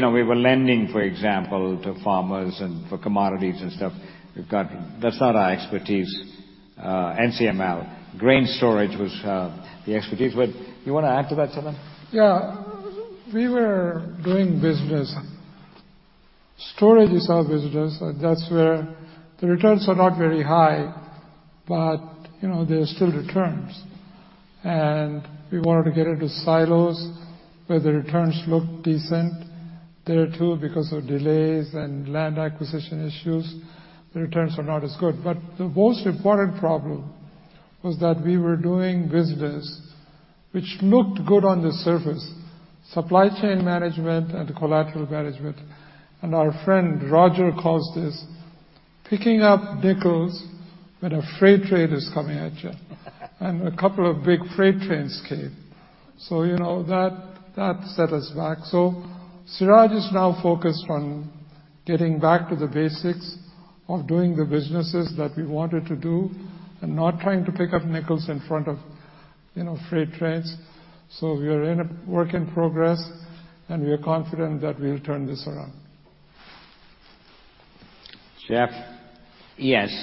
know, we were lending, for example, to farmers and for commodities and stuff. We've got. That's not our expertise. NCML. Grain storage was the expertise. Would you wanna add to that, Sumit? Yeah. We were doing business. Storage is our business. That's where the returns are not very high, but, you know, they're still returns. We wanted to get into silos where the returns look decent. There too, because of delays and land acquisition issues, the returns are not as good. The most important problem was that we were doing business which looked good on the surface, supply chain management and collateral management, and our friend Roger calls this picking up nickels when a freight train is coming at you. A couple of big freight trains came. You know, that set us back. Siraj is now focused on getting back to the basics of doing the businesses that we wanted to do and not trying to pick up nickels in front of, you know, freight trains. We are in a work in progress, and we are confident that we'll turn this around. Jeff? Yes,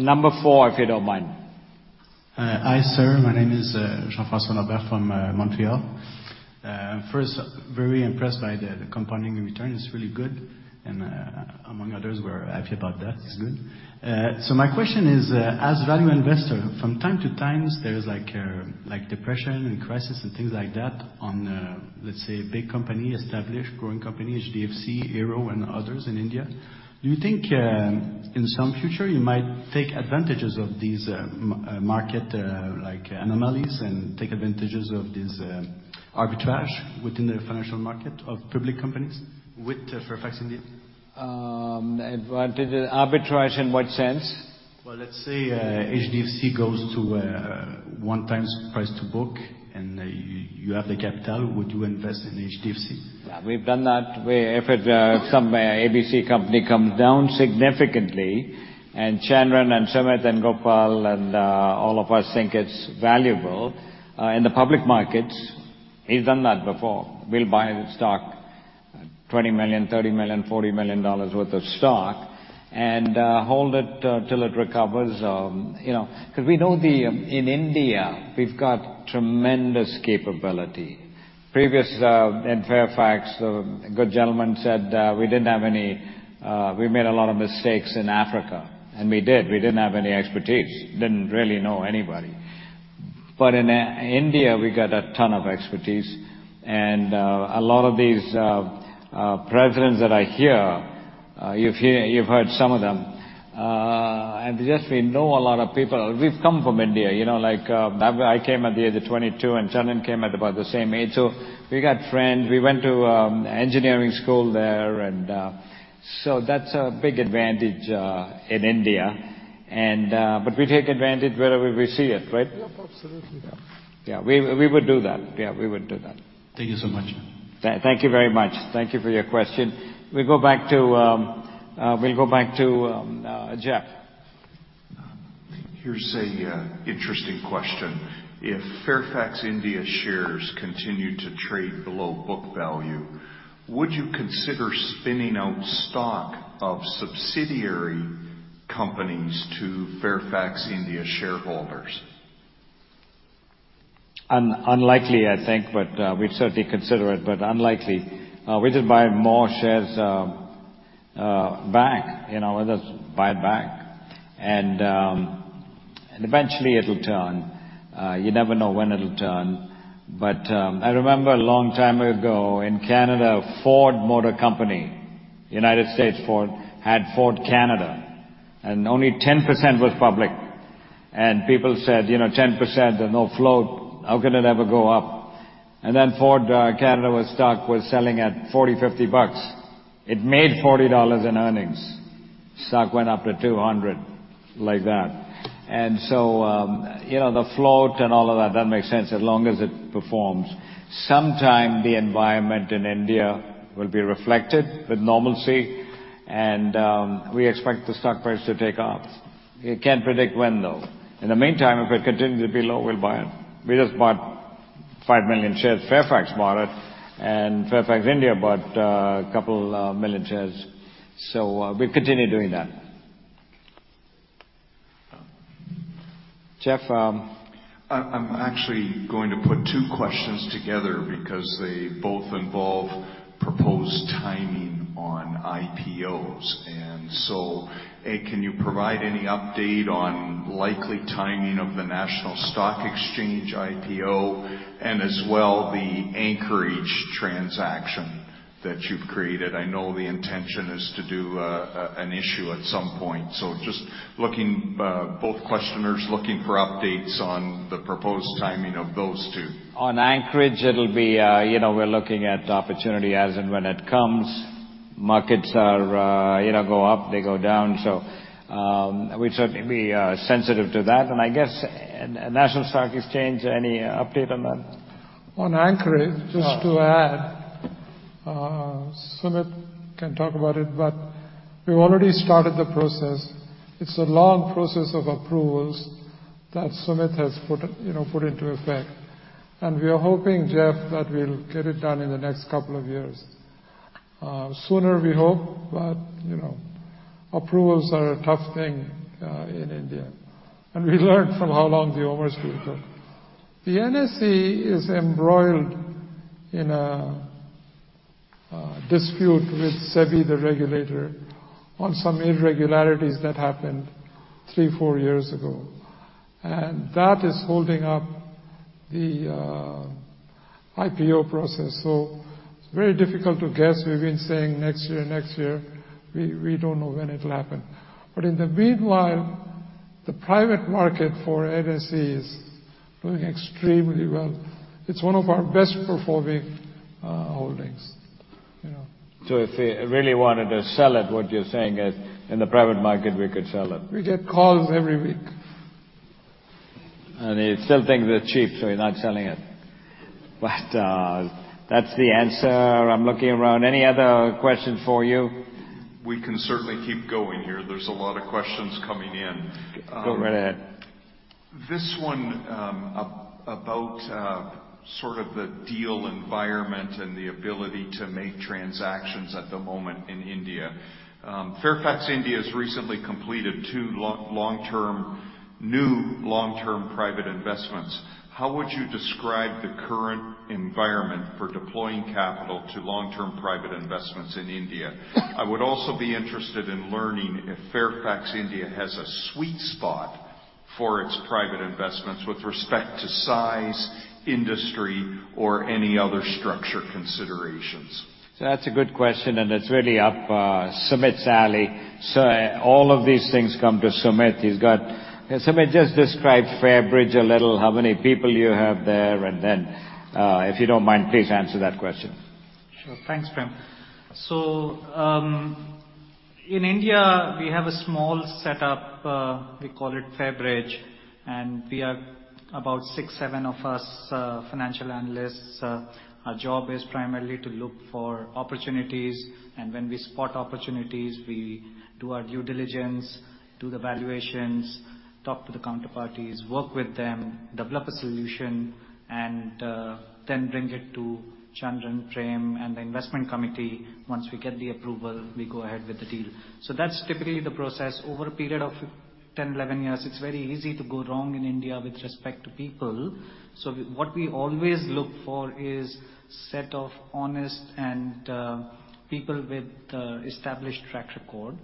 number four, if you don't mind. Hi, sir. My name is Jean-François Robert from Montreal. First, I'm very impressed by the compounding return. It's really good. Among others, we're happy about that. It's good. My question is, as value investor, from time to times, there is like depression and crisis and things like that on, let's say, a big company, established, growing company, HDFC, Hero, and others in India. Do you think, in some future you might take advantages of these, market like anomalies and take advantages of this, arbitrage within the financial market of public companies with Fairfax India? Arbitrage in what sense? Well, let's say, HDFC goes to 1x price to book, and you have the capital. Would you invest in HDFC? Yeah, we've done that. If some ABC company comes down significantly and Chandran and Sumit and Gopal and all of us think it's valuable in the public markets, we've done that before. We'll buy the stock, $20 million, $30 million, $40 million worth of stock and hold it till it recovers, you know. 'Cause we know. In India, we've got tremendous capability. Previous in Fairfax, the good gentleman said we didn't have any. We made a lot of mistakes in Africa, and we did. We didn't have any expertise. Didn't really know anybody. In India, we got a ton of expertise and a lot of these precedents that I hear you've heard some of them. Just we know a lot of people. We've come from India, you know. Like, I came at the age of 22, and Chandran came at about the same age. We got friends. We went to engineering school there and that's a big advantage in India. We take advantage wherever we see it, right? Yep, absolutely. Yeah. We would do that. Yeah, we would do that. Thank you so much. Thank you very much. Thank you for your question. We'll go back to Jeff. Here's an interesting question. If Fairfax India shares continue to trade below book value, would you consider spinning out stock of subsidiary companies to Fairfax India shareholders? Unlikely, I think, but we'd certainly consider it, but unlikely. We could buy more shares back. You know, let us buy it back. Eventually it'll turn. You never know when it'll turn. I remember a long time ago in Canada, Ford Motor Company, United States Ford, had Ford Canada, and only 10% was public. People said, you know, "10%, there's no float. How can it ever go up?" Then Ford Canada stock was selling at 40-50 bucks. It made $40 in earnings. Stock went up to 200, like that. You know, the float and all of that makes sense as long as it performs. Sometime the environment in India will be reflected with normalcy, and we expect the stock price to take off. You can't predict when, though. In the meantime, if it continues to be low, we'll buy it. We just bought 5 million shares. Fairfax bought it, and Fairfax India bought a couple of million shares. We continue doing that. Jeff, I'm actually going to put two questions together because they both involve proposed timing on IPOs. A, can you provide any update on likely timing of the National Stock Exchange IPO and as well the Anchorage transaction that you've created? I know the intention is to do an issue at some point. Just looking, both questioners looking for updates on the proposed timing of those two. On Anchorage, it'll be. You know, we're looking at opportunity as and when it comes. Markets, you know, go up, they go down. We'd certainly be sensitive to that. I guess National Stock Exchange, any update on that? On Anchorage just to add, Sumit can talk about it, but we've already started the process. It's a long process of approvals that Sumit has put into effect. We are hoping, Jeff, that we'll get it done in the next couple of years. Sooner we hope, but you know, approvals are a tough thing in India. We learned from how long the OMERS has been. The NSE is embroiled in a dispute with SEBI, the regulator, on some irregularities that happened three, four years ago. That is holding up the IPO process. It's very difficult to guess. We've been saying next year, next year. We don't know when it'll happen. In the meanwhile, the private market for NSE is doing extremely well. It's one of our best performing holdings, you know. If we really wanted to sell it, what you're saying is in the private market, we could sell it. We get calls every week. You still think they're cheap, so you're not selling it. But, that's the answer. I'm looking around. Any other question for you? We can certainly keep going here. There's a lot of questions coming in. Go right ahead. This one about sort of the deal environment and the ability to make transactions at the moment in India. Fairfax India has recently completed two new long-term private investments. How would you describe the current environment for deploying capital to long-term private investments in India? I would also be interested in learning if Fairfax India has a sweet spot for its private investments with respect to size, industry, or any other structure considerations. That's a good question, and it's really up Sumit's alley. All of these things come to Sumit. He's got Sumit, just describe Fairbridge a little, how many people you have there, and then, if you don't mind, please answer that question. Sure. Thanks, Prem. In India, we have a small setup. We call it Fairbridge, and we are about six, seven of us, financial analysts. Our job is primarily to look for opportunities, and when we spot opportunities, we do our due diligence, do the valuations, talk to the counterparties, work with them, develop a solution, and then bring it to Chandran, Prem, and the investment committee. Once we get the approval, we go ahead with the deal. That's typically the process. Over a period of 10, 11 years, it's very easy to go wrong in India with respect to people. What we always look for is set of honest and people with established track record.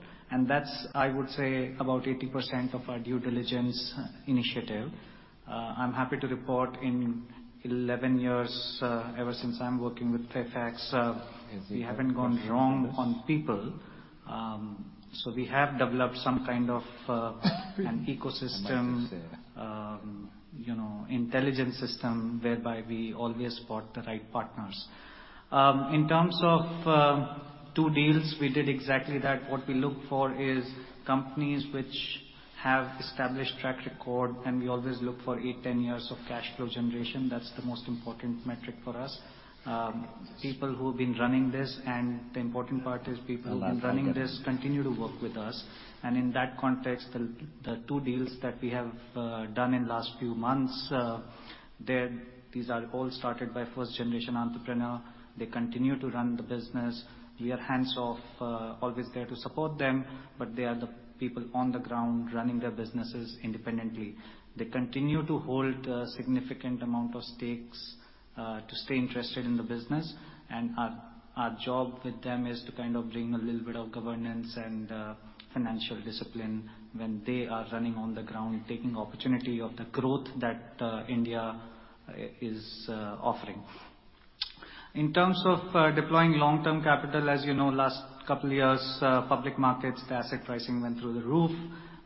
That's, I would say, about 80% of our due diligence initiative. I'm happy to report in 11 years, ever since I'm working with Fairfax, we haven't gone wrong on people. We have developed some kind of an ecosystem, you know, intelligence system whereby we always spot the right partners. In terms of two deals, we did exactly that. What we look for is companies which have established track record, and we always look for eight to 10 years of cash flow generation. That's the most important metric for us. People who've been running this, and the important part is people who've been running this continue to work with us. In that context, the two deals that we have done in last few months, these are all started by first-generation entrepreneur. They continue to run the business. We are hands-off, always there to support them, but they are the people on the ground running their businesses independently. They continue to hold a significant amount of stakes to stay interested in the business. Our job with them is to kind of bring a little bit of governance and financial discipline when they are running on the ground, taking opportunity of the growth that India is offering. In terms of deploying long-term capital, as you know, last couple of years, public markets, the asset pricing went through the roof.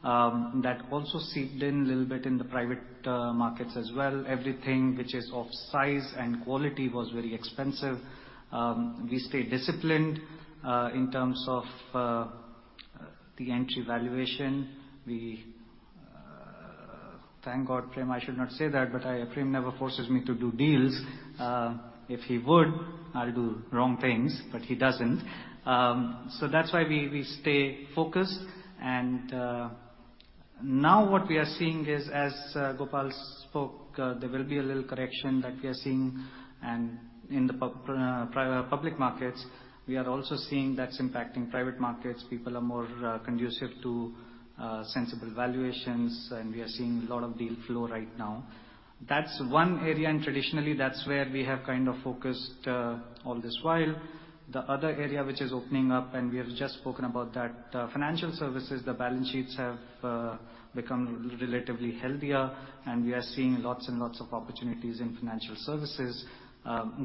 That also seeped in a little bit in the private markets as well. Everything which is of size and quality was very expensive. We stay disciplined in terms of the entry valuation. Thank God, Prem, I should not say that, but Prem never forces me to do deals. If he would, I'll do wrong things, but he doesn't. So that's why we stay focused. Now what we are seeing is, as Gopal spoke, there will be a little correction that we are seeing and in the public markets. We are also seeing that's impacting private markets. People are more conducive to sensible valuations, and we are seeing a lot of deal flow right now. That's one area, and traditionally that's where we have kind of focused all this while. The other area which is opening up, and we have just spoken about that, financial services, the balance sheets have become relatively healthier, and we are seeing lots and lots of opportunities in financial services.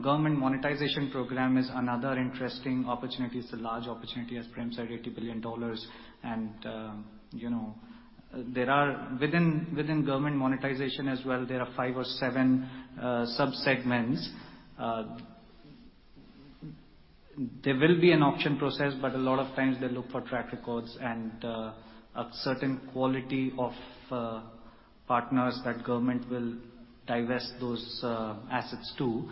Government monetization program is another interesting opportunity. It's a large opportunity, as Prem said, $80 billion. You know, within government monetization as well, there are five or seven sub-segments. There will be an auction process, but a lot of times they look for track records and a certain quality of partners that government will divest those assets to.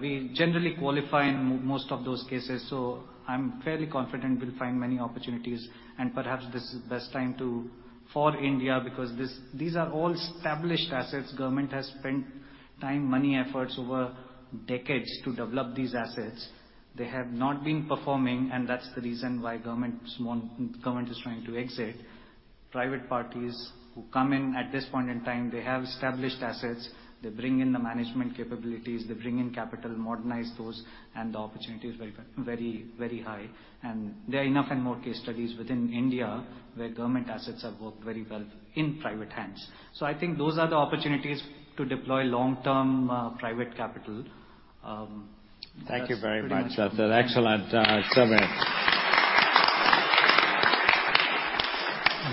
We generally qualify in most of those cases. I'm fairly confident we'll find many opportunities. Perhaps this is best time for India because these are all established assets. Government has spent time, money, efforts over decades to develop these assets. They have not been performing, and that's the reason why government is trying to exit. Private parties who come in at this point in time, they have established assets. They bring in the management capabilities, they bring in capital, modernize those, and the opportunity is very, very, very high. There are enough and more case studies within India where government assets have worked very well in private hands. I think those are the opportunities to deploy long-term private capital. Thank you very much. That's an excellent summary.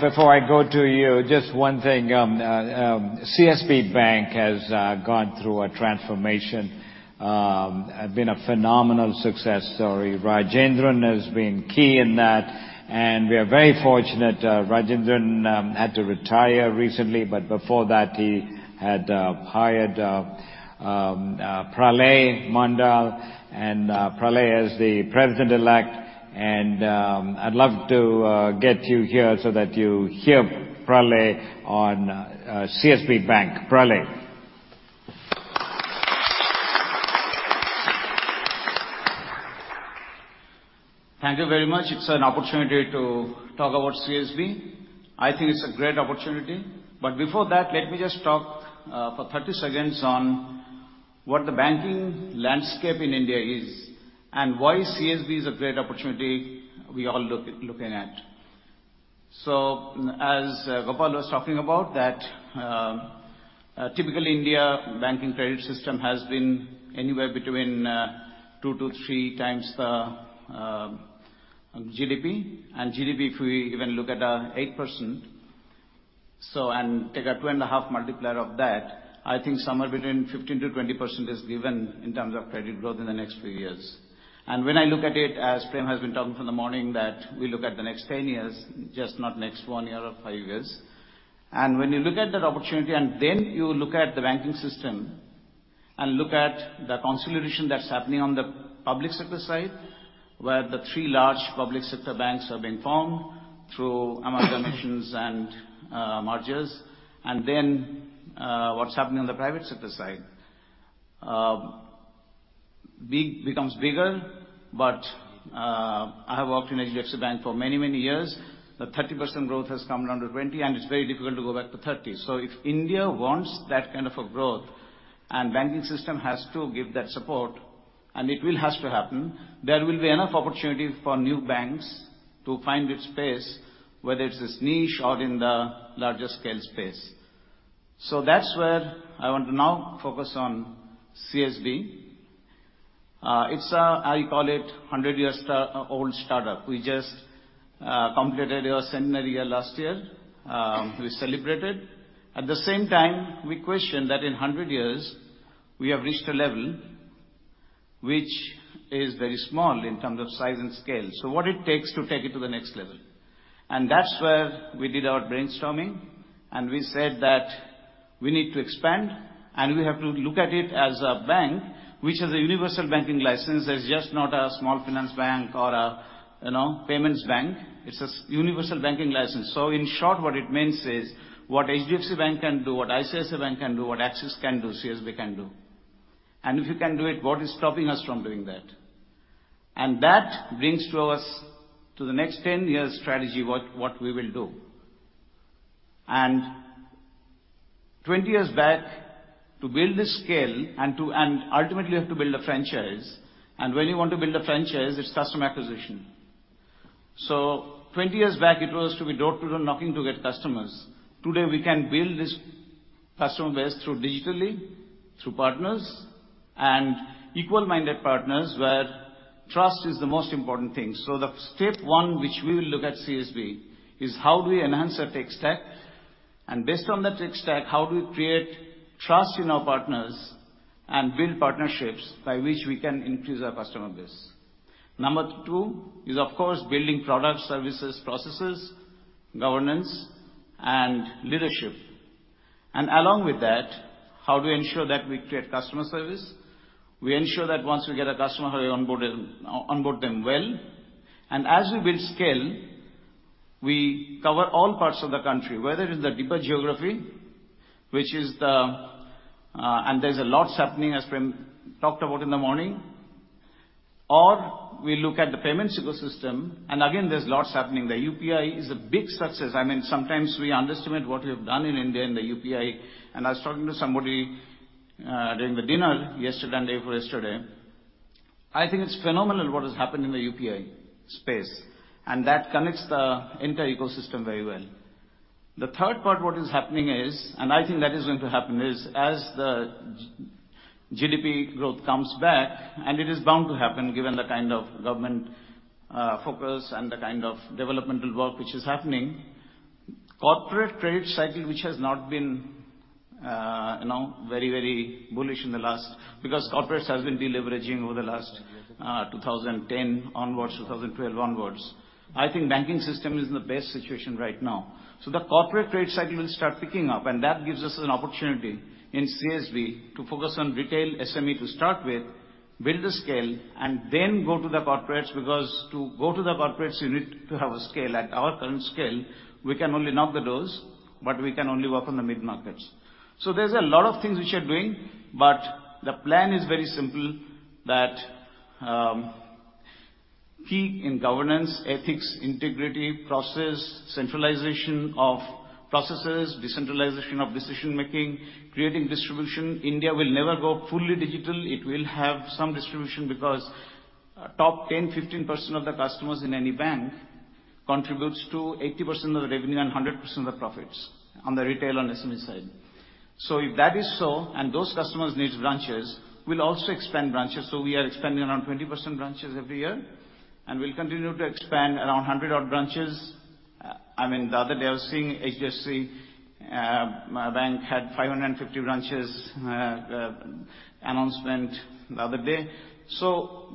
Before I go to you, just one thing, CSB Bank has gone through a transformation. It has been a phenomenal success story. Rajendran has been key in that, and we are very fortunate. Rajendran had to retire recently, but before that, he had hired Pralay Mondal, and Pralay is the President-elect. I'd love to get you here so that you hear Pralay on CSB Bank. Pralay. Thank you very much. It's an opportunity to talk about CSB. I think it's a great opportunity. Before that, let me just talk for 30 seconds on what the banking landscape in India is and why CSB is a great opportunity we all looking at. As Gopal was talking about, that typically India banking credit system has been anywhere between 2x-3x the GDP. GDP, if we even look at 8%, so and take a 2.5 multiplier of that, I think somewhere between 15%-20% is given in terms of credit growth in the next few years. When I look at it, as Prem has been talking from the morning, that we look at the next 10 years, just not next one year or five years. When you look at that opportunity and then you look at the banking system and look at the consolidation that's happening on the public sector side, where the three large public sector banks have been formed through amalgamations and mergers, and then what's happening on the private sector side. Big becomes bigger, but I have worked in HDFC Bank for many, many years. The 30% growth has come down to 20%, and it's very difficult to go back to 30%. If India wants that kind of a growth and banking system has to give that support, and it will have to happen, there will be enough opportunity for new banks to find its space, whether it's this niche or in the larger scale space. That's where I want to now focus on CSB. It's a 100-year-old startup. I call it that. We just completed our centenary year last year. We celebrated. At the same time, we questioned that in 100 years we have reached a level which is very small in terms of size and scale, so what it takes to take it to the next level. That's where we did our brainstorming, and we said that we need to expand, and we have to look at it as a bank which has a universal banking license, as just not a small finance bank or a, you know, payments bank. It's a universal banking license. So in short, what it means is what HDFC Bank can do, what ICICI Bank can do, what Axis can do, CSB can do. If you can do it, what is stopping us from doing that? That brings us to the next 10-year strategy, what we will do. 20 years back, ultimately you have to build a franchise. When you want to build a franchise, it's customer acquisition. 20 years back, it was to be door-to-door knocking to get customers. Today, we can build this customer base through digitally, through partners and equal-minded partners where trust is the most important thing. The step one which we will look at CSB is how do we enhance our tech stack? Based on that tech stack, how do we create trust in our partners and build partnerships by which we can increase our customer base? Number two is, of course, building products, services, processes, governance and leadership. Along with that, how do we ensure that we create customer service? We ensure that once we get a customer, how we onboard them well. As we build scale, we cover all parts of the country, whether it is the deeper geography and there's a lot happening, as Prem talked about in the morning. We look at the payments ecosystem, and again, there's lots happening. The UPI is a big success. I mean, sometimes we underestimate what we have done in India in the UPI. I was talking to somebody during the dinner yesterday and day before yesterday. I think it's phenomenal what has happened in the UPI space, and that connects the entire ecosystem very well. The third part, what is happening is, and I think that is going to happen, is as the GDP growth comes back, and it is bound to happen given the kind of government focus and the kind of developmental work which is happening. Corporate credit cycle, which has not been, you know, very bullish in the last because corporates has been deleveraging over the last 2010 onwards, 2012 onwards. I think banking system is in the best situation right now. The corporate credit cycle will start picking up, and that gives us an opportunity in CSB to focus on retail SME to start with, build the scale, and then go to the corporates. Because to go to the corporates, you need to have a scale. At our current scale, we can only knock the doors, but we can only work on the mid-markets. There's a lot of things which we are doing, but the plan is very simple that key in governance, ethics, integrity, process, centralization of processes, decentralization of decision-making, creating distribution. India will never go fully digital. It will have some distribution because top 10%, 15% of the customers in any bank contributes to 80% of the revenue and 100% of the profits on the retail and SME side. If that is so, and those customers need branches, we'll also expand branches. We are expanding around 20% branches every year, and we'll continue to expand around 100 odd branches. I mean, the other day I was seeing HDFC Bank had 550 branches announcement the other day.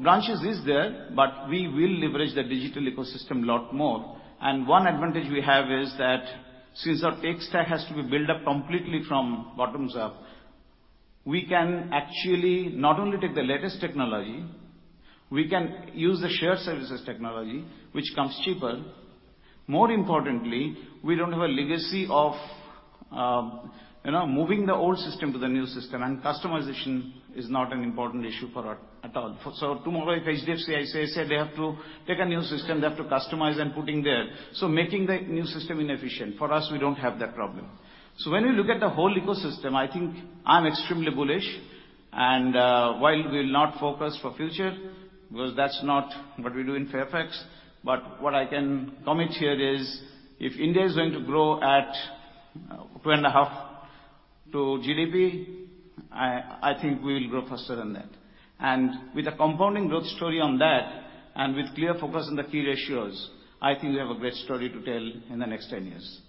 Branches is there, but we will leverage the digital ecosystem a lot more. One advantage we have is that since our tech stack has to be built up completely from bottom up, we can actually not only take the latest technology, we can use the shared services technology, which comes cheaper. More importantly, we don't have a legacy of, you know, moving the old system to the new system, and customization is not an important issue for us at all. Tomorrow, if HDFC, ICICI, they have to take a new system, they have to customize and put in there, so making the new system inefficient. For us, we don't have that problem. When you look at the whole ecosystem, I think I'm extremely bullish. While we'll not focus on future, because that's not what we do in Fairfax, but what I can commit here is if India is going to grow at 2.5%-3% GDP, I think we will grow faster than that. With a compounding growth story on that and with clear focus on the key ratios, I think we have a great story to tell in the next 10 years.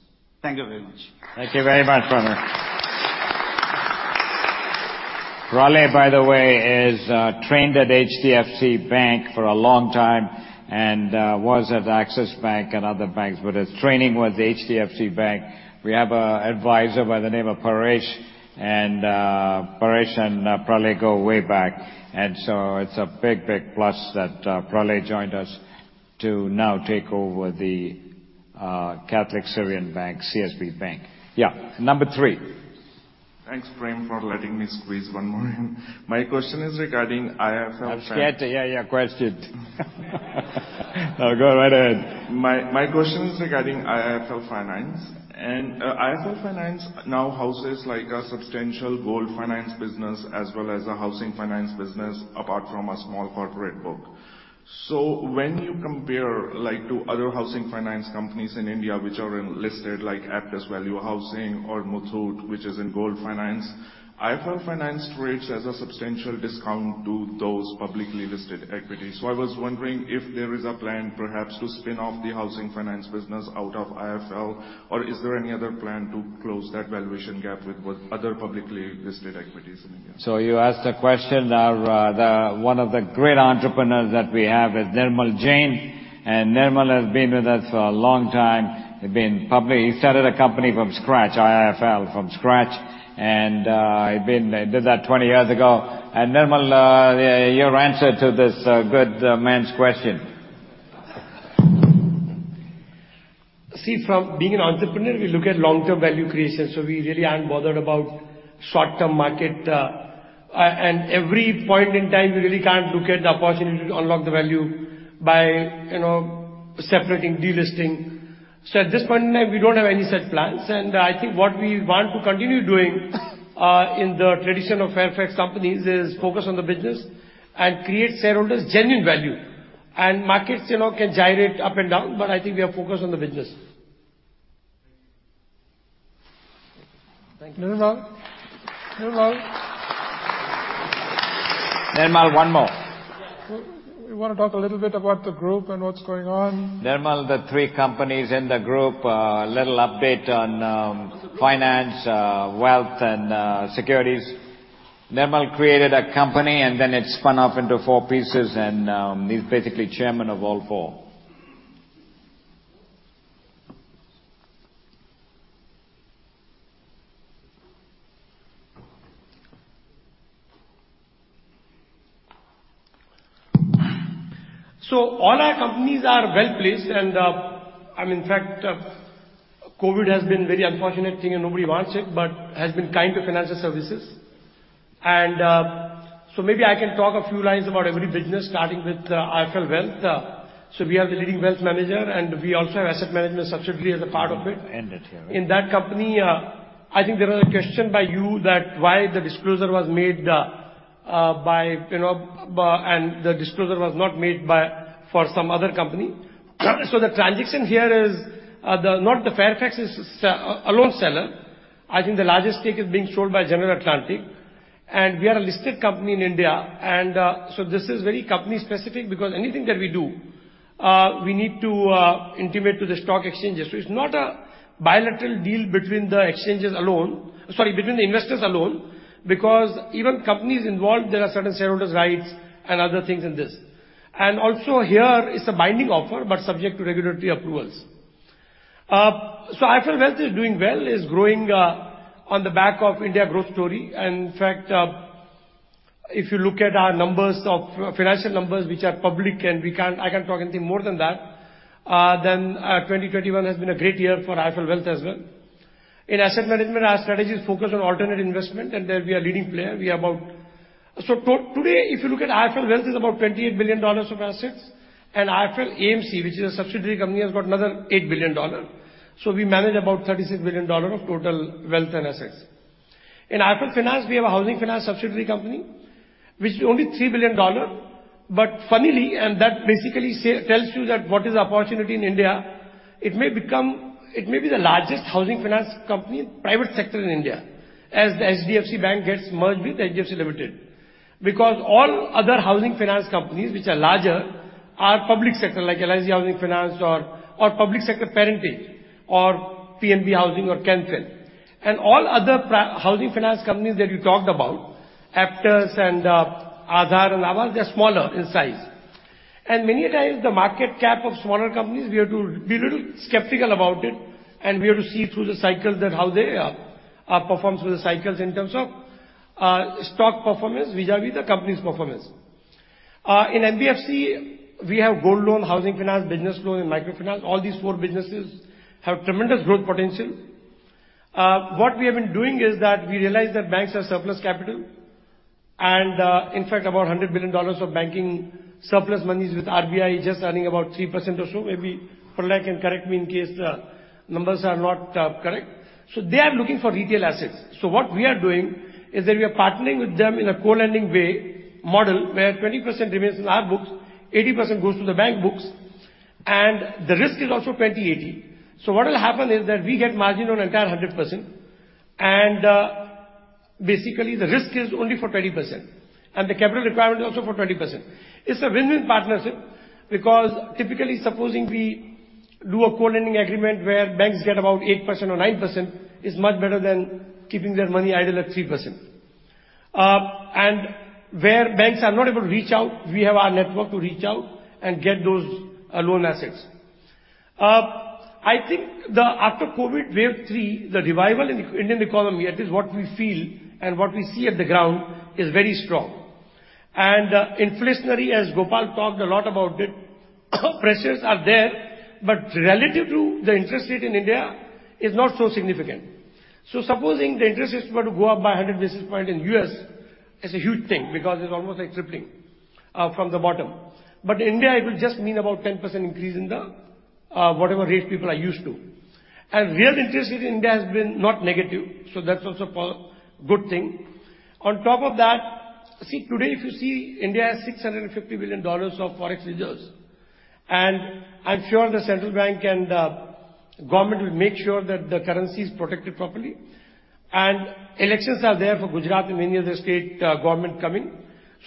Thank you very much. Thank you very much, Pralay. Pralay, by the way, is trained at HDFC Bank for a long time and was at Axis Bank and other banks, but his training was HDFC Bank. We have an advisor by the name of Paresh, and Paresh and Pralay go way back. It's a big, big plus that Pralay joined us to now take over the Catholic Syrian Bank, CSB Bank. Yeah. Number three. Thanks, Prem, for letting me squeeze one more in. My question is regarding IIFL Finance- I'm scared to hear your question. No, go right ahead. My question is regarding IIFL Finance. IIFL Finance now houses like a substantial gold finance business as well as a housing finance business, apart from a small corporate book. When you compare, like, to other housing finance companies in India which are listed, like Aptus Value Housing or Muthoot, which is in gold finance, IIFL Finance trades as a substantial discount to those publicly listed equities. I was wondering if there is a plan perhaps to spin off the housing finance business out of IIFL, or is there any other plan to close that valuation gap with other publicly listed equities in India? You asked a question. One of the great entrepreneurs that we have is Nirmal Jain, and Nirmal has been with us for a long time. He's been public. He started a company from scratch, IIFL, from scratch. He did that 20 years ago. Nirmal, your answer to this good man's question. See, from being an entrepreneur, we look at long-term value creation, so we really aren't bothered about short-term market, and every point in time, we really can't look at the opportunity to unlock the value by, you know, separating, delisting. So at this point in time, we don't have any set plans. I think what we want to continue doing, in the tradition of Fairfax companies is focus on the business and create shareholders genuine value. Markets, you know, can gyrate up and down, but I think we are focused on the business. Thank you. Nirmal? Hello? Nirmal, one more. You wanna talk a little bit about the group and what's going on? Nirmal, the three companies in the group, a little update on finance, wealth and securities. Nirmal created a company and then it spun off into four pieces and he's basically chairman of all four. All our companies are well-placed and in fact, COVID has been very unfortunate thing and nobody wants it, but has been kind to financial services. Maybe I can talk a few lines about every business, starting with IIFL Wealth. We are the leading wealth manager, and we also have asset management subsidiary as a part of it. End it here. In that company, I think there was a question by you that why the disclosure was made, you know, by—and the disclosure was not made by, for some other company. The transaction here is not that Fairfax is the sole seller. I think the largest stake is being sold by General Atlantic. We are a listed company in India, so this is very company specific because anything that we do, we need to intimate to the stock exchanges. It's not a bilateral deal between the investors alone, because even companies involved, there are certain shareholders' rights and other things in this. Also, here it's a binding offer, but subject to regulatory approvals. IIFL Wealth is doing well, is growing, on the back of India's growth story. In fact, if you look at our financial numbers, which are public and I can't talk anything more than that, then 2021 has been a great year for IIFL Wealth as well. In asset management, our strategy is focused on alternative investment, and there we are a leading player. Today, if you look at IIFL Wealth is about $28 billion of assets, and IIFL AMC, which is a subsidiary company, has got another $8 billion. We manage about $36 billion of total wealth and assets. In IIFL Finance, we have a housing finance subsidiary company, which is only $3 billion. Funnily, that basically tells you that what is the opportunity in India, it may become, it may be the largest housing finance company private sector in India as HDFC Bank gets merged with HDFC Limited. All other housing finance companies which are larger are public sector, like LIC Housing Finance or public sector parentage, or PNB Housing Finance or Can Fin Homes. All other housing finance companies that you talked about, Aptus and Aadhar and Aavas, they're smaller in size. Many a times, the market cap of smaller companies, we have to be little skeptical about it, and we have to see through the cycles that how they perform through the cycles in terms of stock performance vis-à-vis the company's performance. In NBFC, we have gold loan, housing finance, business loan, and micro finance. All these four businesses have tremendous growth potential. What we have been doing is that we realize that banks have surplus capital. In fact, about $100 billion of banking surplus money is with RBI just earning about 3% or so. Maybe Pralay can correct me in case the numbers are not correct. They are looking for retail assets. What we are doing is that we are partnering with them in a co-lending model, where 20% remains in our books, 80% goes to the bank books, and the risk is also 20%, 80%. What will happen is that we get margin on entire 100%, and basically the risk is only for 20%, and the capital requirement is also for 20%. It's a win-win partnership because typically supposing we do a co-lending agreement where banks get about 8% or 9% is much better than keeping their money idle at 3%. Where banks are not able to reach out, we have our network to reach out and get those loan assets. I think the after COVID wave three, the revival in Indian economy, at least what we feel and what we see at the ground, is very strong. Inflationary, as Gopal talked a lot about it, pressures are there, but relative to the interest rate in India is not so significant. Supposing the interest rates were to go up by 100 basis points in U.S., it's a huge thing because it's almost like tripling from the bottom. India, it will just mean about 10% increase in the whatever rate people are used to. Real interest rate in India has been not negative, so that's also good thing. On top of that, see, today if you see India has $650 billion of forex reserves, and I'm sure the central bank and government will make sure that the currency is protected properly. Elections are there for Gujarat and many other state government coming.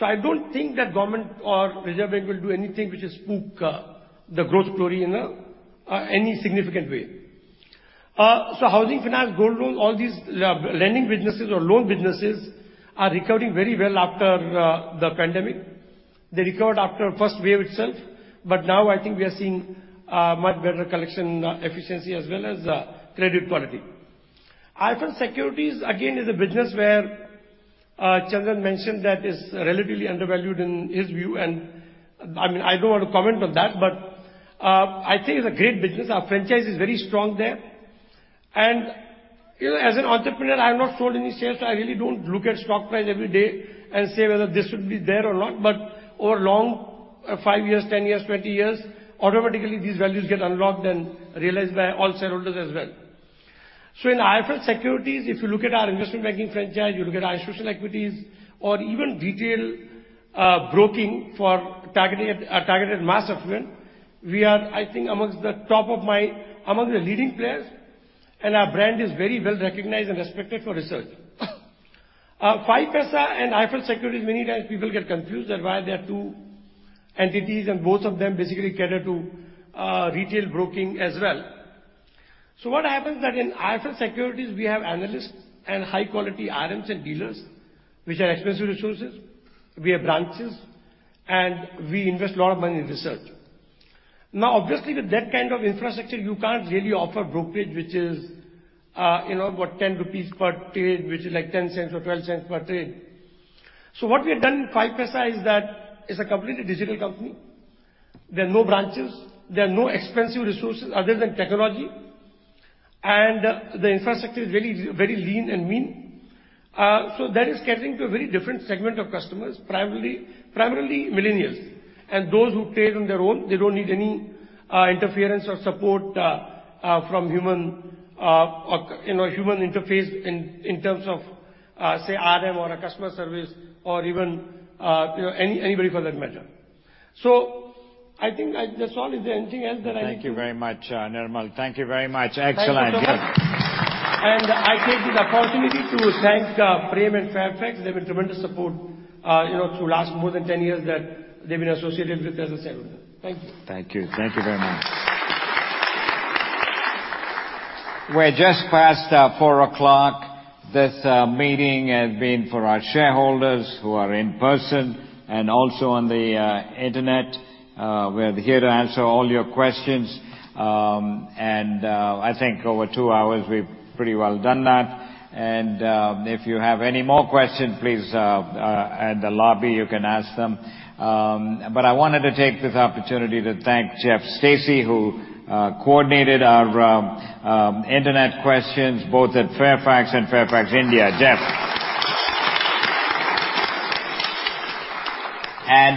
I don't think that government or Reserve Bank will do anything which will spook the growth story in any significant way. Housing finance, gold loan, all these lending businesses or loan businesses are recovering very well after the pandemic. They recovered after first wave itself, but now I think we are seeing much better collection efficiency as well as credit quality. IIFL Securities again is a business where Chandran mentioned that is relatively undervalued in his view, and I mean, I don't want to comment on that, but I think it's a great business. Our franchise is very strong there. You know, as an entrepreneur, I have not sold any shares, so I really don't look at stock price every day and say whether this should be there or not. Over long, five years, 10 years, 20 years, automatically these values get unlocked and realized by all shareholders as well. In IIFL Securities, if you look at our investment banking franchise, you look at our institutional equities or even retail broking for targeting a targeted mass affluent, we are, I think, among the leading players, and our brand is very well-recognized and respected for research. 5paisa and IIFL Securities, many times people get confused that why there are two entities and both of them basically cater to retail broking as well. What happens that in IIFL Securities, we have analysts and high-quality RMs and dealers, which are expensive resources. We have branches, and we invest a lot of money in research. Now, obviously, with that kind of infrastructure, you can't really offer brokerage which is, you know, what, 10 rupees per trade, which is like $0.10 or $0.12 per trade. What we have done in 5paisa is that it's a completely digital company. There are no branches. There are no expensive resources other than technology. And the infrastructure is very lean and mean. That is catering to a very different segment of customers, primarily millennials. Those who trade on their own, they don't need any interference or support from human, or, you know, human interface in terms of, say RM or a customer service or even, you know, anybody for that matter. I think I just want. Is there anything else that I need to? Thank you very much, Nirmal. Thank you very much. Excellent. Good. Thank you, Gopal. I take this opportunity to thank Prem and Fairfax. They've been tremendous support through last more than 10 years that they've been associated with us as a shareholder. Thank you. Thank you. Thank you very much. We're just past 4:00 P.M. This meeting has been for our shareholders who are in person and also on the internet. We're here to answer all your questions. I think over two hours we've pretty well done that. If you have any more questions, please, at the lobby you can ask them. I wanted to take this opportunity to thank Jeff Stacey, who coordinated our internet questions both at Fairfax and Fairfax India. Jeff.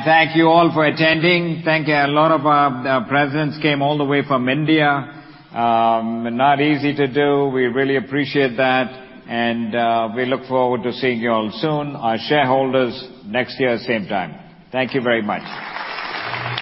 Thank you all for attending. Thank you. A lot of persons came all the way from India. Not easy to do. We really appreciate that. We look forward to seeing you all soon, our shareholders next year, same time. Thank you very much.